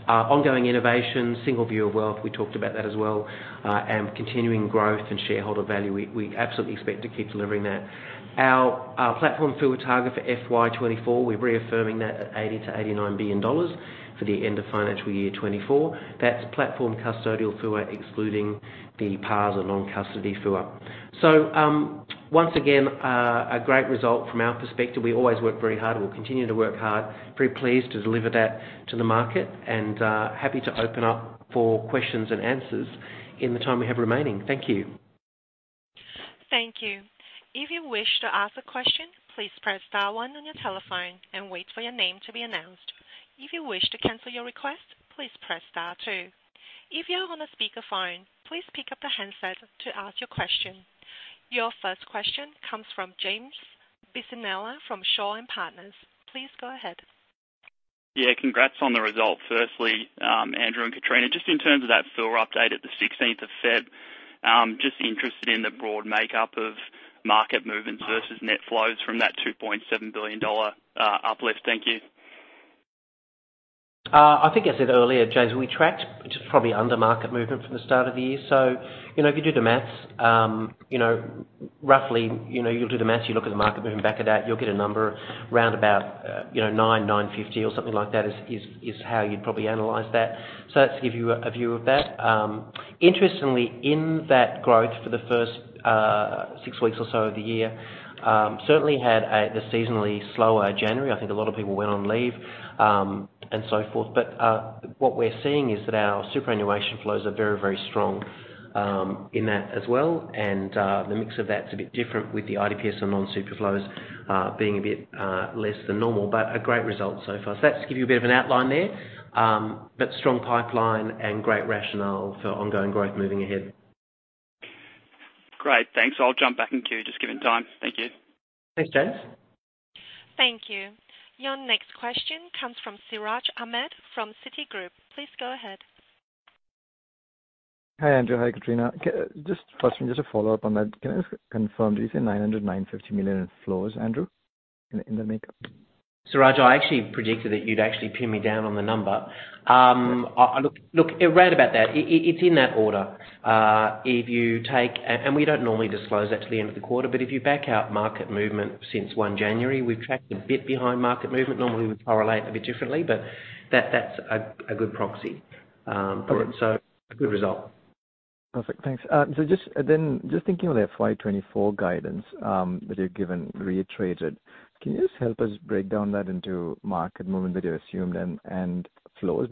Ongoing innovation, single view of wealth, we talked about that as well. Continuing growth and shareholder value, we absolutely expect to keep delivering that. Our, our platform FUAT target for FY 2024, we're reaffirming that at 80 billion-89 billion dollars for the end of financial year 2024. That's platform custodial FUAT, excluding the PARS and non-custody FUAT. Once again, a great result from our perspective. We always work very hard, and we'll continue to work hard. Very pleased to deliver that to the market and, happy to open up for questions and answers in the time we have remaining. Thank you. Thank you. If you wish to ask a question, please press star one on your telephone and wait for your name to be announced. If you wish to cancel your request, please press star two. If you're on a speaker phone, please pick up the handset to ask your question. Your first question comes from James Bisinella from Shaw and Partners. Please go ahead. Congrats on the result firstly, Andrew and Kitrina. Just in terms of that FUAT update at the 16th of February, just interested in the broad makeup of market movements versus net flows from that $2.7 billion uplift. Thank you. I think I said earlier, James, we tracked just probably under market movement from the start of the year. You know, if you do the math, you know, roughly, you know, you'll do the math, you look at the market movement back at that, you'll get a number around about, you know, 9, 950 or something like that is how you'd probably analyze that. That's to give you a view of that. Interestingly, in that growth for the first six weeks or so of the year, certainly had the seasonally slower January. I think a lot of people went on leave, and so forth. What we're seeing is that our superannuation flows are very, very strong, in that as well. The mix of that's a bit different with the IDPS and non-super flows, being a bit less than normal but a great result so far. That's to give you a bit of an outline there, but strong pipeline and great rationale for ongoing growth moving ahead. Great. Thanks. I'll jump back in queue just given time. Thank you. Thanks, James. Thank you. Your next question comes from Siraj Ahmed from Citigroup. Please go ahead. Hi, Andrew. Hi, Katrina. just first, just a follow-up on that. Can I just confirm, did you say 900 million-950 million in flows, Andrew, in the make up? Siraj, I actually predicted that you'd actually pin me down on the number. I look around about that. It's in that order. If you take... We don't normally disclose that till the end of the quarter, but if you back out market movement since 1 January, we've tracked a bit behind market movement. Normally, we correlate a bit differently, but that's a good proxy. So a good result. Perfect. Thanks. Then just thinking of the FY 2024 guidance, reiterated. Can you just help us break down that into market movement that you assumed and flows?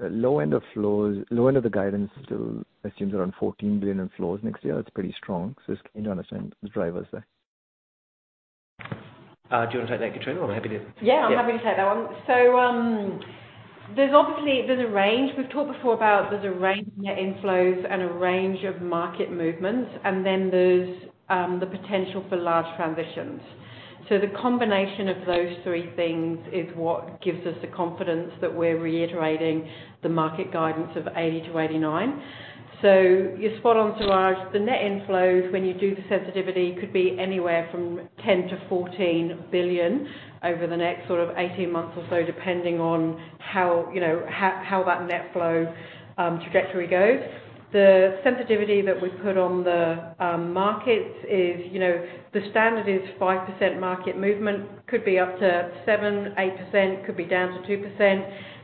The low end of the guidance still assumes around 14 billion in flows next year. That's pretty strong. Just keen to understand the drivers there. Do you wanna take that, Katrina, or happy to- Yeah, I'm happy to take that one. There's obviously a range. We've talked before about there's a range in net inflows and a range of market movements, and then there's the potential for large transitions. The combination of those three things is what gives us the confidence that we're reiterating the market guidance of 80-89. You're spot on, Siraj. The net inflows, when you do the sensitivity, could be anywhere from 10 billion-14 billion over the next sort of 18 months or so, depending on how, you know, how that net flow trajectory goes. The sensitivity that we put on the markets is, you know, the standard is 5% market movement, could be up to 7%-8%, could be down to 2%.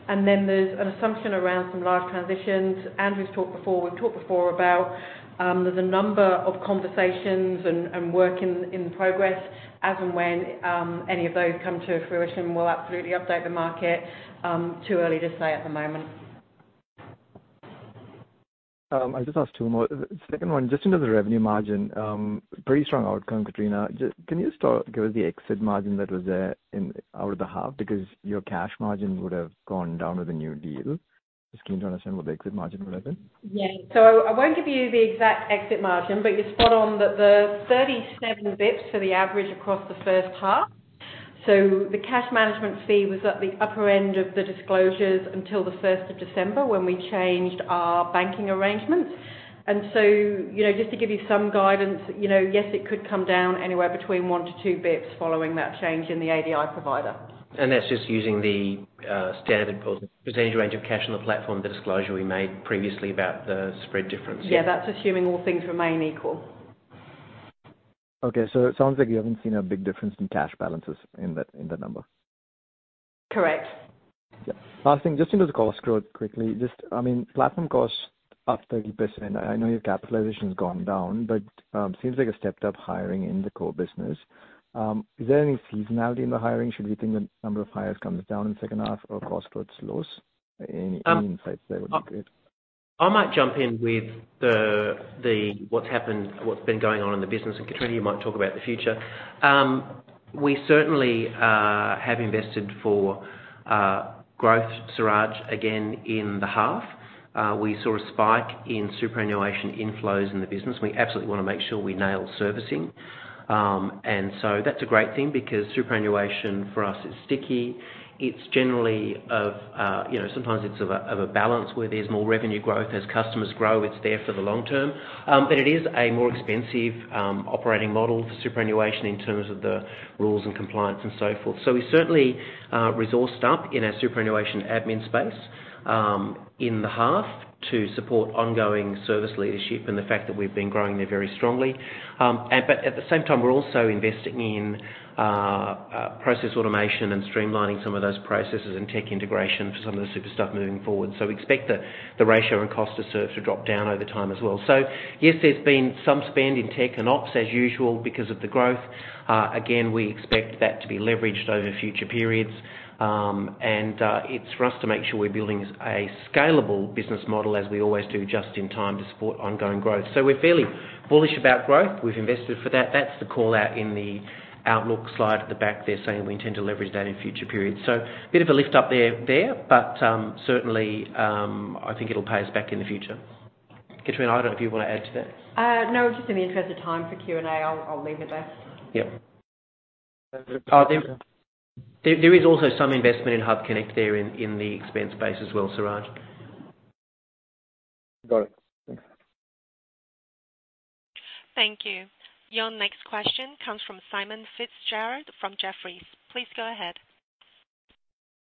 There's an assumption around some large transitions. Andrew's talked before, we've talked before about, there's a number of conversations and work in progress as and when, any of those come to fruition, we'll absolutely update the market. Too early to say at the moment. I'll just ask two more. The second one, just under the revenue margin, pretty strong outcome, Katrina. Can you just talk, give us the exit margin that was there out of the half? Because your cash margin would have gone down with the new deal. Just keen to understand what the exit margin was then. Yeah. I won't give you the exact exit margin, but you're spot on that the 37 bps for the average across the first half. The cash management fee was at the upper end of the disclosures until the 1st of December, when we changed our banking arrangement. You know, just to give you some guidance, you know, yes, it could come down anywhere between one to two bps following that change in the ADI provider. That's just using the standard percentage range of cash on the platform, the disclosure we made previously about the spread difference. Yeah, that's assuming all things remain equal. Okay. It sounds like you haven't seen a big difference in cash balances in that, in that number. Correct. Last thing, just under the cost growth quickly, I mean, platform costs up 30%. I know your capitalization's gone down, but seems like a stepped up hiring in the core business. Is there any seasonality in the hiring? Should we think the number of hires comes down in second half or cost growth slows? Any insights there would be great. I might jump in with the what's happened, what's been going on in the business. Katrina might talk about the future. We certainly have invested for growth, Siraj, again in the half. We saw a spike in superannuation inflows in the business. We absolutely wanna make sure we nail servicing. That's a great thing because superannuation for us is sticky. It's generally of, you know, sometimes it's of a balance where there's more revenue growth as customers grow, it's there for the long term. It is a more expensive operating model for superannuation in terms of the rules and compliance and so forth. We certainly resourced up in our superannuation admin space in the half to support ongoing service leadership and the fact that we've been growing there very strongly. But at the same time, we're also investing in process automation and streamlining some of those processes and tech integration for some of the super stuff moving forward. We expect the ratio and cost to serve to drop down over time as well. Yes, there's been some spend in tech and ops as usual because of the growth. Again, we expect that to be leveraged over future periods. And it's for us to make sure we're building a scalable business model, as we always do just in time to support ongoing growth. We're fairly bullish about growth. We've invested for that. That's the call-out in the outlook slide at the back there saying we intend to leverage that in future periods. A bit of a lift up there, certainly, I think it'll pay us back in the future. Katrina, I don't know if you wanna add to that. no. Just in the interest of time for Q&A, I'll leave it there. There is also some investment in HUBconnect there in the expense base as well, Siraj. Got it. Thanks. Thank you. Your next question comes from Simon Fitzgerald from Jefferies. Please go ahead.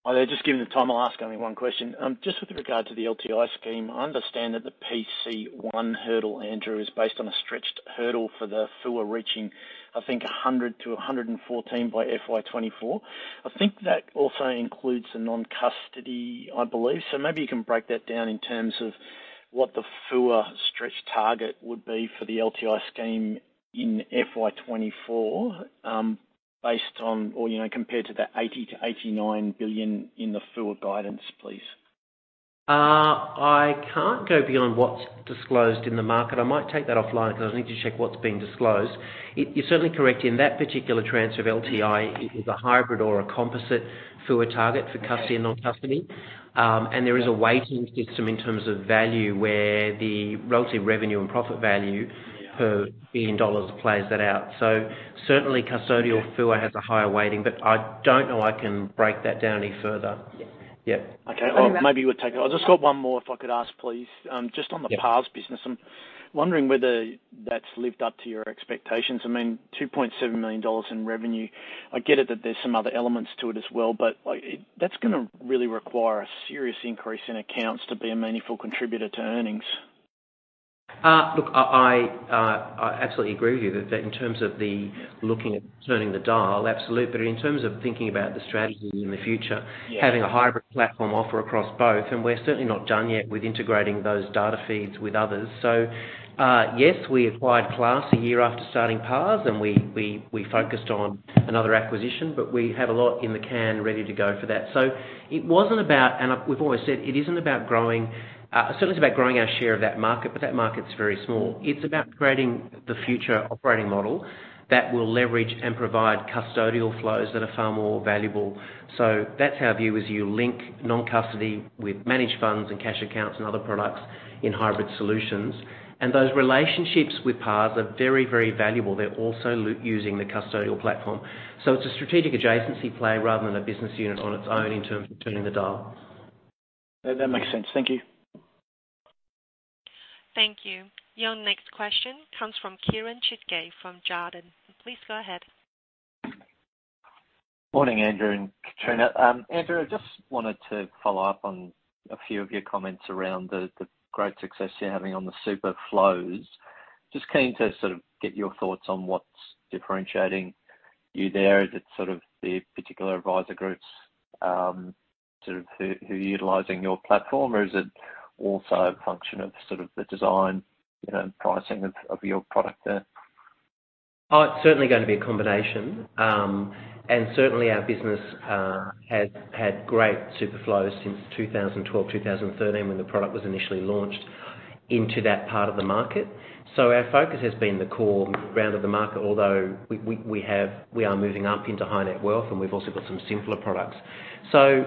Hi there. Just given the time, I'll ask only one question. Just with regard to the LTI scheme, I understand that the PC1 hurdle, Andrew, is based on a stretched hurdle for the full year reaching, I think 100-114 by FY 2024. I think that also includes the non-custody, I believe. Maybe you can break that down in terms of what the full year stretch target would be for the LTI scheme in FY 2024, based on or, you know, compared to the 80 billion-89 billion in the full guidance, please. I can't go beyond what's disclosed in the market. I might take that offline because I need to check what's been disclosed. You're certainly correct. In that particular tranche of LTI, it is a hybrid or a composite full year target for custody and non-custody. There is a weighting system in terms of value where the relative revenue and profit value per 1 billion dollars plays that out. Certainly custodial full year has a higher weighting, but I don't know I can break that down any further. Yeah. Yeah. Okay. Well, maybe you would take it. I've just got one more if I could ask, please. just on the- Yeah. PARS business, I'm wondering whether that's lived up to your expectations. I mean, 2.7 million dollars in revenue. I get it that there's some other elements to it as well, but, like, that's gonna really require a serious increase in accounts to be a meaningful contributor to earnings. look, I absolutely agree with you that in terms of the looking at turning the dial, absolutely. In terms of thinking about the strategy in the Yeah Having a hybrid platform offer across both, and we're certainly not done yet with integrating those data feeds with others. Yes, we acquired Class a year after starting PARS, and we focused on another acquisition, but we have a lot in the can ready to go for that. It wasn't about, and we've always said it isn't about growing. Certainly it's about growing our share of that market, but that market's very small. It's about creating the future operating model that will leverage and provide custodial flows that are far more valuable. That's our view, is you link non-custody with managed funds and cash accounts and other products in hybrid solutions. Those relationships with PARS are very, very valuable. They're also using the custodial platform. It's a strategic adjacency play rather than a business unit on its own in terms of turning the dial. That makes sense. Thank you. Thank you. Your next question comes from Kiran Singha from Jarden. Please go ahead. Morning, Andrew and Catriona. Andrew, I just wanted to follow up on a few of your comments around the great success you're having on the super flows. Just keen to sort of get your thoughts on what's differentiating you there. Is it sort of the particular adviser groups, sort of who are utilizing your platform? Or is it also a function of sort of the design, you know, and pricing of your product there? It's certainly going to be a combination. Certainly our business has had great Super flows since 2012, 2013 when the product was initially launched into that part of the market. Our focus has been the core ground of the market although we are moving up into high net wealth and we've also got some simpler products.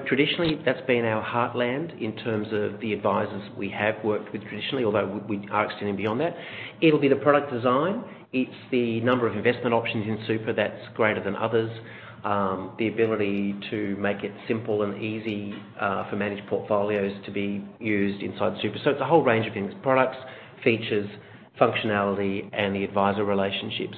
Traditionally, that's been our heartland in terms of the advisors we have worked with traditionally, although we are extending beyond that. It'll be the product design. It's the number of investment options in Super that's greater than others, the ability to make it simple and easy for managed portfolios to be used inside Super. It's a whole range of things, products, features, functionality and the advisor relationships,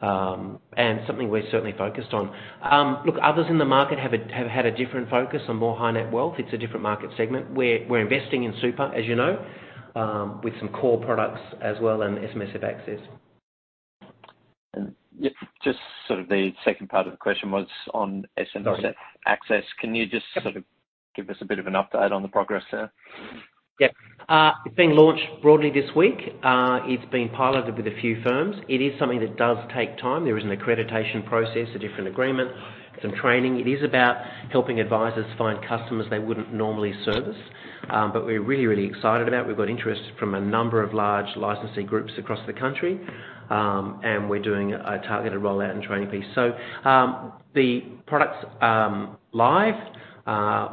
something we're certainly focused on. Look, others in the market have had a different focus on more high net wealth. It's a different market segment. We're investing in Super, as you know, with some core products as well, and SMSF Access. Just sort of the second part of the question was on SMSF Access. Can you just sort of give us a bit of an update on the progress there? Yeah. It's being launched broadly this week. It's being piloted with a few firms. It is something that does take time. There is an accreditation process, a different agreement, some training. It is about helping advisers find customers they wouldn't normally service. We're really, really excited about it. We've got interest from a number of large licensing groups across the country, and we're doing a targeted rollout and training piece. The products are live.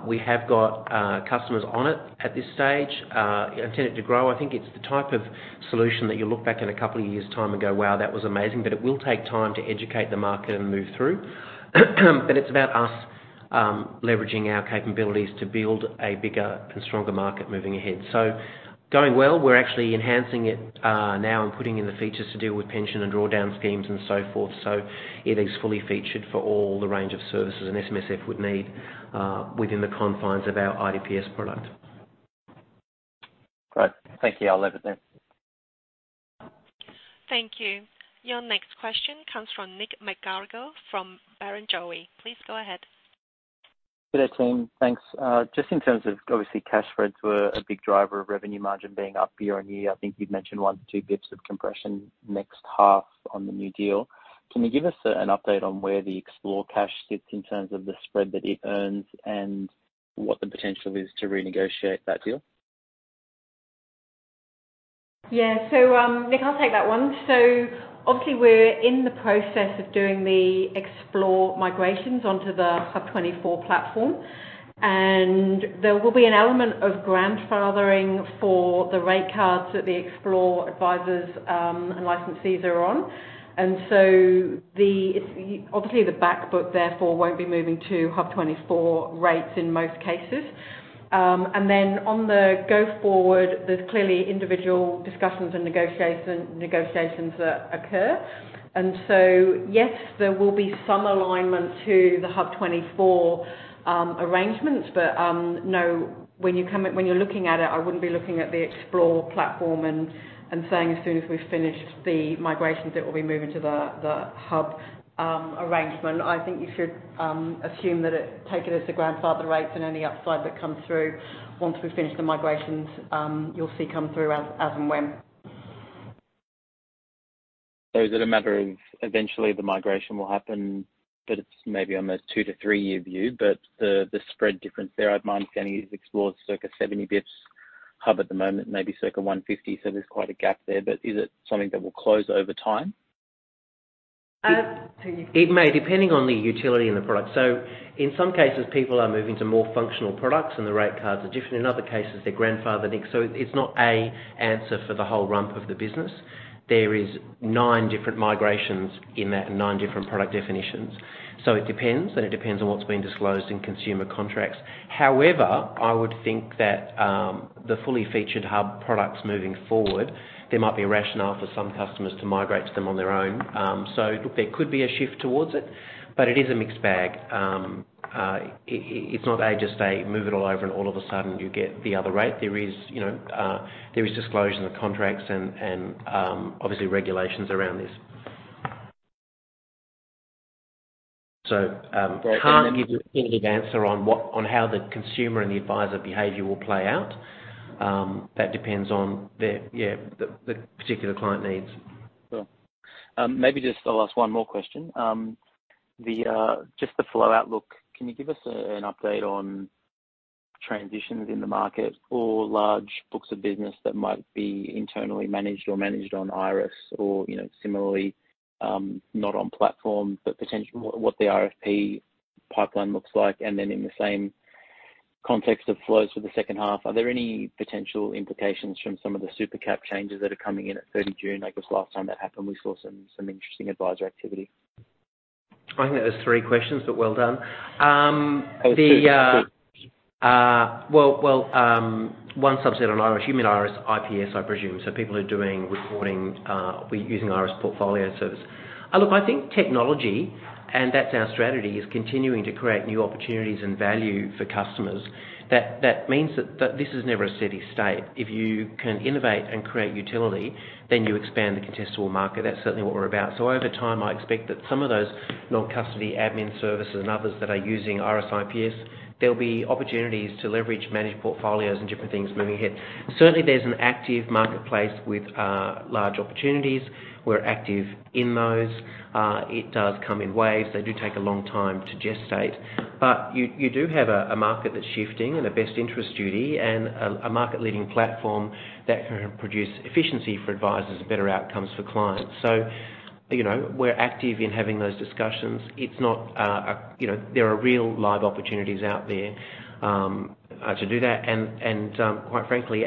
We have got customers on it at this stage, and tend it to grow. I think it's the type of solution that you look back in a couple of years time and go, "Wow, that was amazing." It will take time to educate the market and move through. It's about us leveraging our capabilities to build a bigger and stronger market moving ahead. Going well, we're actually enhancing it, now and putting in the features to deal with pension and drawdown schemes and so forth. It is fully featured for all the range of services an SMSF would need, within the confines of our IDPS product. Great. Thank you. I'll leave it there. Thank you. Your next question comes from Nick McGarrigle from Barrenjoey. Please go ahead. Good day, team. Thanks. Just in terms of obviously cash spreads were a big driver of revenue margin being up year-on-year. I think you'd mentioned 1-2 bps of compression next half on the new deal. Can you give us an update on where the Xplore cash sits in terms of the spread that it earns and what the potential is to renegotiate that deal? Nick, I'll take that one. Obviously we're in the process of doing the Xplore migrations onto the HUB24 platform, there will be an element of grandfathering for the rate cards that the Xplore advisors and licensees are on. The, obviously, the back book therefore won't be moving to HUB24 rates in most cases. Then on the go forward, there's clearly individual discussions and negotiations that occur. Yes, there will be some alignment to the HUB24 arrangements. No, when you're looking at it, I wouldn't be looking at the Xplore platform and saying as soon as we've finished the migrations it will be moving to the HUB24 arrangement. I think you should take it as the grandfather rates and any upside that comes through once we've finished the migrations, you'll see come through as and when. Is it a matter of eventually the migration will happen, but it's maybe on a 2-3-year view, but the spread difference there, I'd mind getting is Xplore's circa 70 basis points. Hub at the moment may be circa 150 basis points, so there's quite a gap there. Is it something that will close over time? It may, depending on the utility in the product. In some cases, people are moving to more functional products and the rate cards are different. In other cases, they're grandfathered in. It's not a answer for the whole rump of the business. There is nine different migrations in that and 9 different product definitions. It depends, and it depends on what's been disclosed in consumer contracts. However, I would think that the fully featured HUB products moving forward. There might be a rationale for some customers to migrate to them on their own. There could be a shift towards it, but it is a mixed bag. It's not they just say, "Move it all over," and all of a sudden you get the other rate. There is, you know, there is disclosure in the contracts and, obviously regulations around this. Can't give you a definitive answer on how the consumer and the advisor behavior will play out. That depends on the particular client needs. Sure. Maybe just I'll ask one more question. The just the flow outlook, can you give us an update on transitions in the market or large books of business that might be internally managed or managed on Iress or, you know, similarly, not on platform, but potential. What the RFP pipeline looks like? In the same context of flows for the second half, are there any potential implications from some of the super cap changes that are coming in at 30 June? I guess last time that happened, we saw some interesting adviser activity. I think that was three questions, but well done. Two. Well, one subset on Iress. You mean Iress IPS, I presume, so people who are doing reporting, using Iress portfolio service. Look, I think technology, and that's our strategy, is continuing to create new opportunities and value for customers. That means that this is never a steady state. If you can innovate and create utility, then you expand the contestable market. That's certainly what we're about. Over time, I expect that some of those non-custody admin services and others that are using Iress IPS, there'll be opportunities to leverage managed portfolios and different things moving ahead. Certainly, there's an active marketplace with large opportunities. We're active in those. It does come in waves. They do take a long time to gestate. You do have a market that's shifting and a best interest duty and a market-leading platform that can produce efficiency for advisors and better outcomes for clients. You know, we're active in having those discussions. It's not, you know. There are real live opportunities out there to do that. Quite frankly,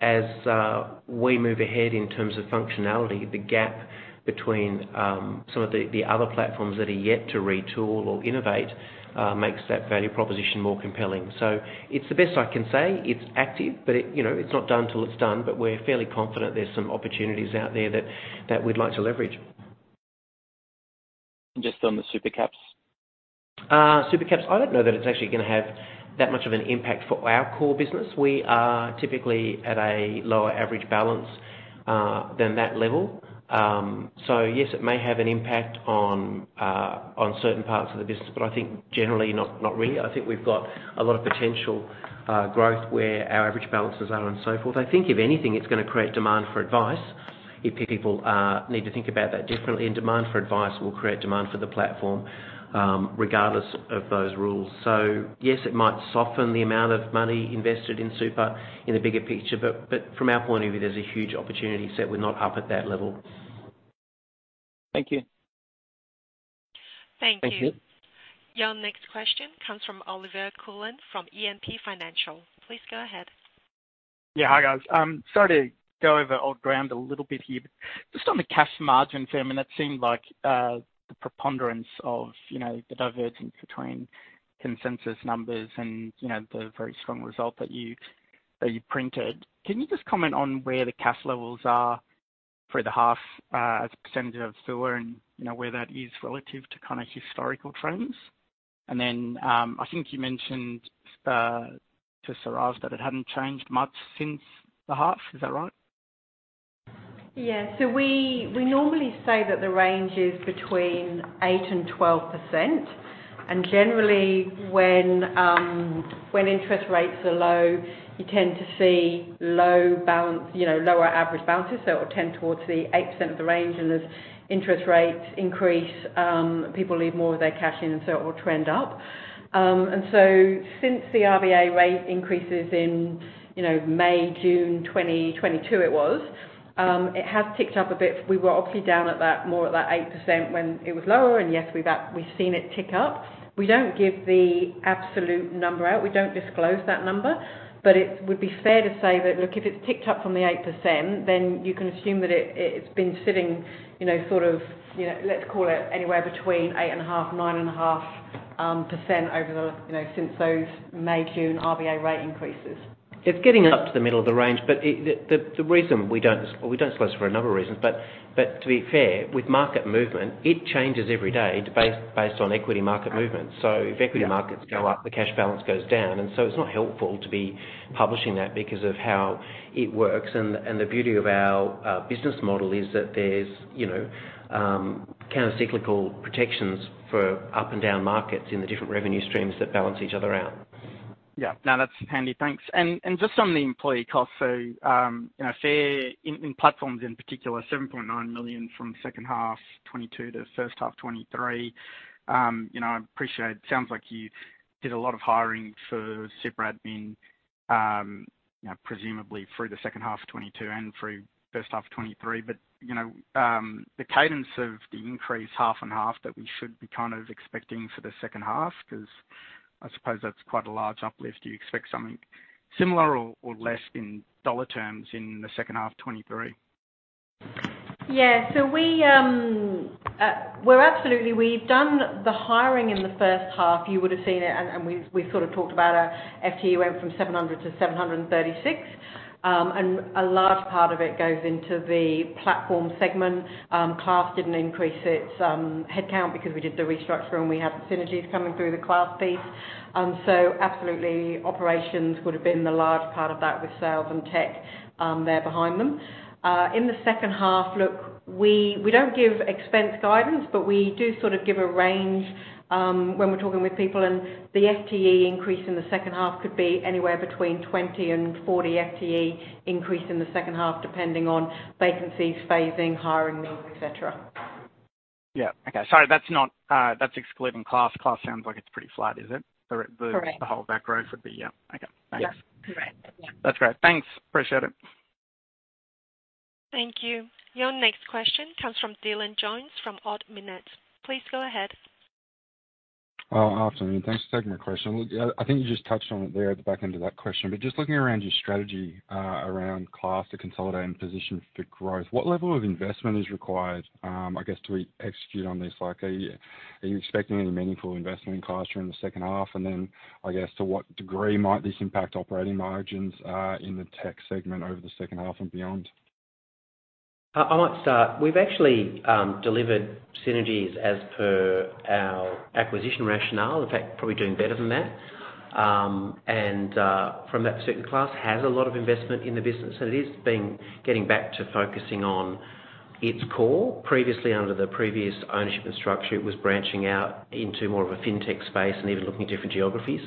as we move ahead in terms of functionality, the gap between some of the other platforms that are yet to retool or innovate, makes that value proposition more compelling. It's the best I can say. It's active, but, you know, it's not done till it's done. We're fairly confident there's some opportunities out there that we'd like to leverage. Just on the super caps. Super caps, I don't know that it's actually gonna have that much of an impact for our core business. We are typically at a lower average balance than that level. Yes, it may have an impact on certain parts of the business, but I think generally not really. I think we've got a lot of potential growth where our average balances are and so forth. I think if anything, it's gonna create demand for advice if people need to think about that differently, and demand for advice will create demand for the platform regardless of those rules. Yes, it might soften the amount of money invested in super in the bigger picture, but from our point of view, there's a huge opportunity set. We're not up at that level. Thank you. Thank you. Thank you. Your next question comes from Olivier Coulon from E&P Financial Group. Please go ahead. Yeah. Hi, guys. Sorry to go over old ground a little bit here. Just on the cash margin, Phil, I mean, that seemed like the preponderance of, you know, the divergence between consensus numbers and, you know, the very strong result that you printed. Can you just comment on where the cash levels are for the half, as a percentage of STWR and, you know, where that is relative to kinda historical trends? Then, I think you mentioned to Siraj that it hadn't changed much since the half. Is that right? We, we normally say that the range is between 8% and 12%. Generally, when interest rates are low, you tend to see low balance, you know, lower average balances, so it'll tend towards the 8% of the range. As interest rates increase, people leave more of their cash in, so it will trend up. Since the RBA rate increases in, you know, May, June 2022, it has ticked up a bit. We were obviously down at that, more at that 8% when it was lower. Yes, we've seen it tick up. We don't give the absolute number out. We don't disclose that number. it would be fair to say that, look, if it's ticked up from the 8%, then you can assume that it's been sitting, you know, sort of, you know, let's call it anywhere between 8.5%-9.5% over the, you know, since those May/June RBA rate increases. It's getting up to the middle of the range. Well, we don't disclose for a number of reasons. to be fair, with market movement, it changes every day based on equity market movement. if equity markets go up, the cash balance goes down, and so it's not helpful to be publishing that because of how it works. The beauty of our business model is that there's, you know, countercyclical protections for up and down markets in the different revenue streams that balance each other out. Yeah. No, that's handy. Thanks. Just on the employee costs. You know, fair in platforms in particular, 7.9 million from second half 2022 to first half 2023. You know, I appreciate it sounds like you did a lot of hiring for super admin, you know, presumably through the second half of 2022 and through first half of 2023. You know, the cadence of the increase half and half that we should be kind of expecting for the second half, because I suppose that's quite a large uplift. Do you expect something similar or less in dollar terms in the second half of 2023? Yeah. We're absolutely we've done the hiring in the first half, you would have seen it. We've sort of talked about our FTE went from 700-736. A large part of it goes into the platform segment. Class didn't increase its headcount because we did the restructure and we have synergies coming through the Class piece. Absolutely, operations would have been the large part of that with sales and tech there behind them. In the second half, look, we don't give expense guidance, but we do sort of give a range when we're talking with people and the FTE increase in the second half could be anywhere between 20 and 40 FTE increase in the second half, depending on vacancies, phasing, hiring needs, etc. Yeah. Okay. Sorry, that's not, that's excluding Class. Class sounds like it's pretty flat, is it? Correct. The whole back growth would be, yeah. Okay. Thanks. Yeah. Correct. Yeah. That's great. Thanks. Appreciate it. Thank you. Your next question comes from Dylan Jones from Ord Minnett. Please go ahead. Afternoon. Thanks for taking my question. I think you just touched on it there at the back end of that question. Just looking around your strategy, around Class to consolidate and position for growth. What level of investment is required, I guess, to execute on this? Are you expecting any meaningful investment in Class during the second half? I guess, to what degree might this impact operating margins, in the tech segment over the second half and beyond? I might start. We've actually delivered synergies as per our acquisition rationale. In fact, probably doing better than that. From that certain Class has a lot of investment in the business, and it is being getting back to focusing on its core. Previously under the previous ownership and structure, it was branching out into more of a FinTech space and even looking at different geographies.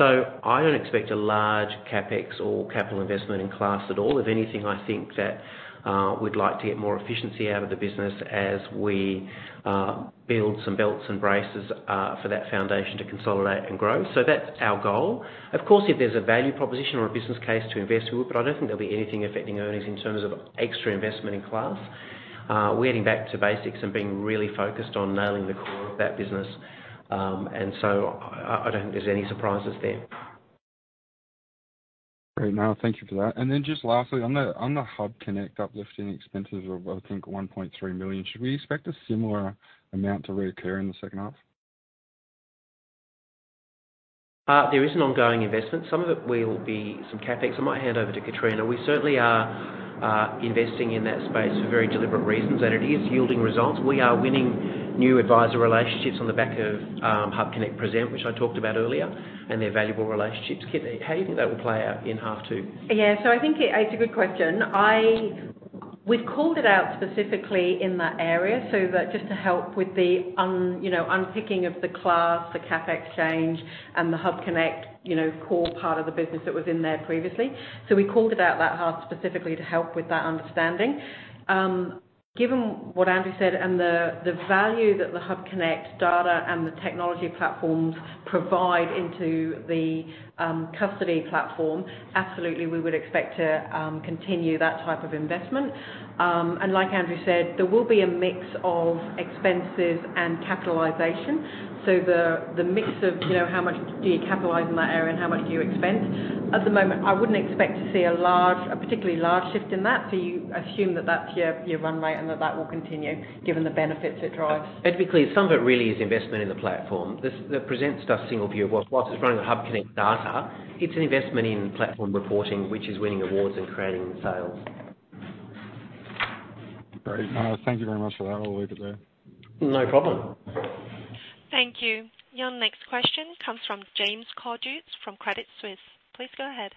I don't expect a large CapEx or capital investment in Class at all. If anything, I think that we'd like to get more efficiency out of the business as we build some belts and braces for that foundation to consolidate and grow. That's our goal. Of course, if there's a value proposition or a business case to invest, we would. I don't think there'll be anything affecting earnings in terms of extra investment in Class. We're getting back to basics and being really focused on nailing the core of that business. I don't think there's any surprises there. Great. No, thank you for that. Just lastly, on the HUBconnect uplifting expenses of, I think, 1.3 million, should we expect a similar amount to reoccur in the second half? There is an ongoing investment. Some of it will be some CapEx. I might hand over to Katrina. We certainly are investing in that space for very deliberate reasons. It is yielding results. We are winning new advisor relationships on the back of HUBconnect Present, which I talked about earlier. They're valuable relationships. Kit, how do you think that will play out in half two? Yeah. I think it's a good question. We've called it out specifically in that area so that just to help with the unpicking of the Class, the CapEx change and the HUBconnect, you know, core part of the business that was in there previously. We called it out that half specifically to help with that understanding. Given what Andrew said and the value that the HUBconnect data and the technology platforms provide into the custody platform, absolutely, we would expect to continue that type of investment. Like Andrew said, there will be a mix of expenses and capitalization. The mix of, you know, how much do you capitalize in that area and how much do you expense. At the moment, I wouldn't expect to see a particularly large shift in that. You assume that that's your run rate and that that will continue given the benefits it drives. To be clear, some of it really is investment in the platform. This, the present stuff single view of what's running the HUBconnect data. It's an investment in platform reporting, which is winning awards and creating sales. Great. Thank you very much for that. I'll leave it there. No problem. Thank you. Your next question comes from James Cordukes from Credit Suisse. Please go ahead.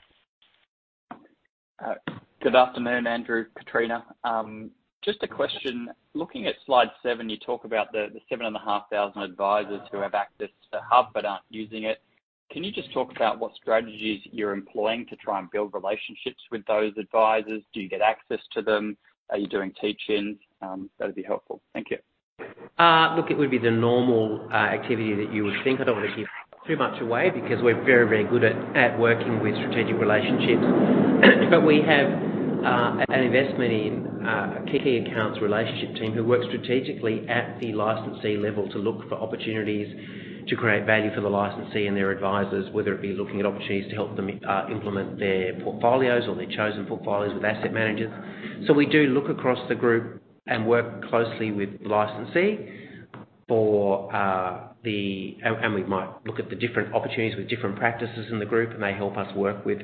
Good afternoon, Andrew Alcock, Kitrina Shanahan. Just a question. Looking at slide seven, you talk about the 7,500 advisers who have access to HUB24 but aren't using it. Can you just talk about what strategies you're employing to try and build relationships with those advisers? Do you get access to them? Are you doing teach-ins? That'd be helpful. Thank you. Look, it would be the normal activity that you would think. I don't wanna give too much away because we're very good at working with strategic relationships. We have an investment in a key accounts relationship team who work strategically at the licensee level to look for opportunities to create value for the licensee and their advisors, whether it be looking at opportunities to help them implement their portfolios or their chosen portfolios with asset managers. We do look across the group and work closely with the licensee for the. We might look at the different opportunities with different practices in the group, and they help us work with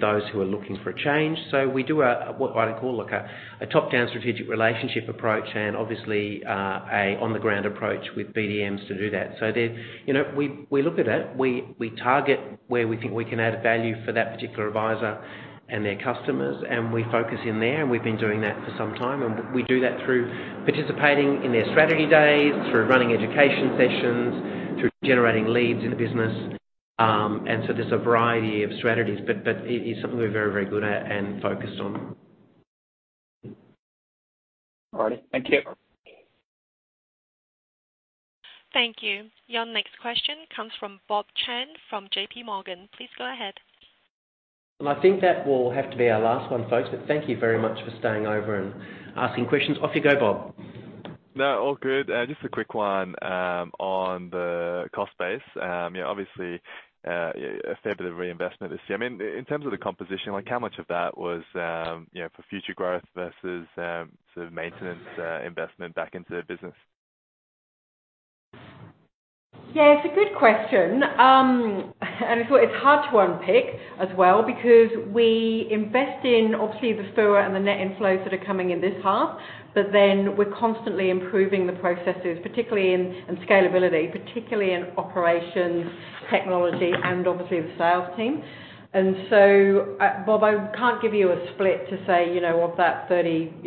those who are looking for a change. We do a, what I call like a top-down strategic relationship approach and obviously, a on the ground approach with BDMs to do that. There's you know, we look at it, we target where we think we can add value for that particular advisor and their customers, and we focus in there, and we've been doing that for some time, and we do that through participating in their strategy days, through running education sessions, through generating leads in the business. There's a variety of strategies, but it is something we're very, very good at and focused on. All right. Thank you. Thank you. Your next question comes from Siddharth Parameswaran from J.P. Morgan. Please go ahead. I think that will have to be our last one, folks, but thank you very much for staying over and asking questions. Off you go, Bob. No, all good. Just a quick one on the cost base. Obviously, a fair bit of reinvestment this year. I mean, in terms of the composition, like how much of that was, you know, for future growth versus, sort of maintenance, investment back into the business? Yeah, it's a good question. It's hard to unpick as well because we invest in obviously the FUA and the net inflows that are coming in this half. We're constantly improving the processes, particularly in, and scalability, particularly in operations, technology, and obviously the sales team. Bob, I can't give you a split to say, you know, of that 36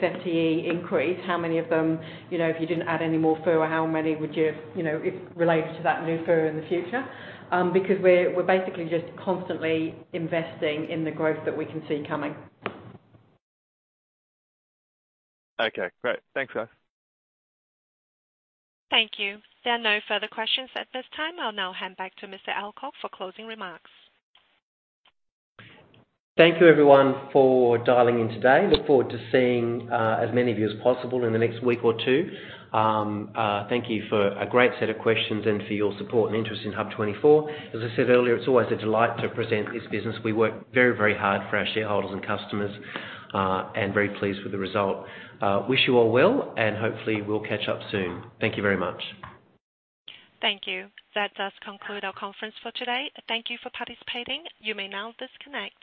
FTE increase. How many of them, you know, if you didn't add any more FUA, how many would you have, you know, if related to that new FUA in the future? Because we're basically just constantly investing in the growth that we can see coming. Okay, great. Thanks, guys. Thank you. There are no further questions at this time. I'll now hand back to Mr. Alcock for closing remarks. Thank you everyone for dialing in today. Look forward to seeing as many of you as possible in the next week or two. Thank you for a great set of questions and for your support and interest in HUB24. As I said earlier, it's always a delight to present this business. We work very, very hard for our shareholders and customers and very pleased with the result. Wish you all well, and hopefully we'll catch up soon. Thank you very much. Thank you. That does conclude our conference for today. Thank you for participating. You may now disconnect.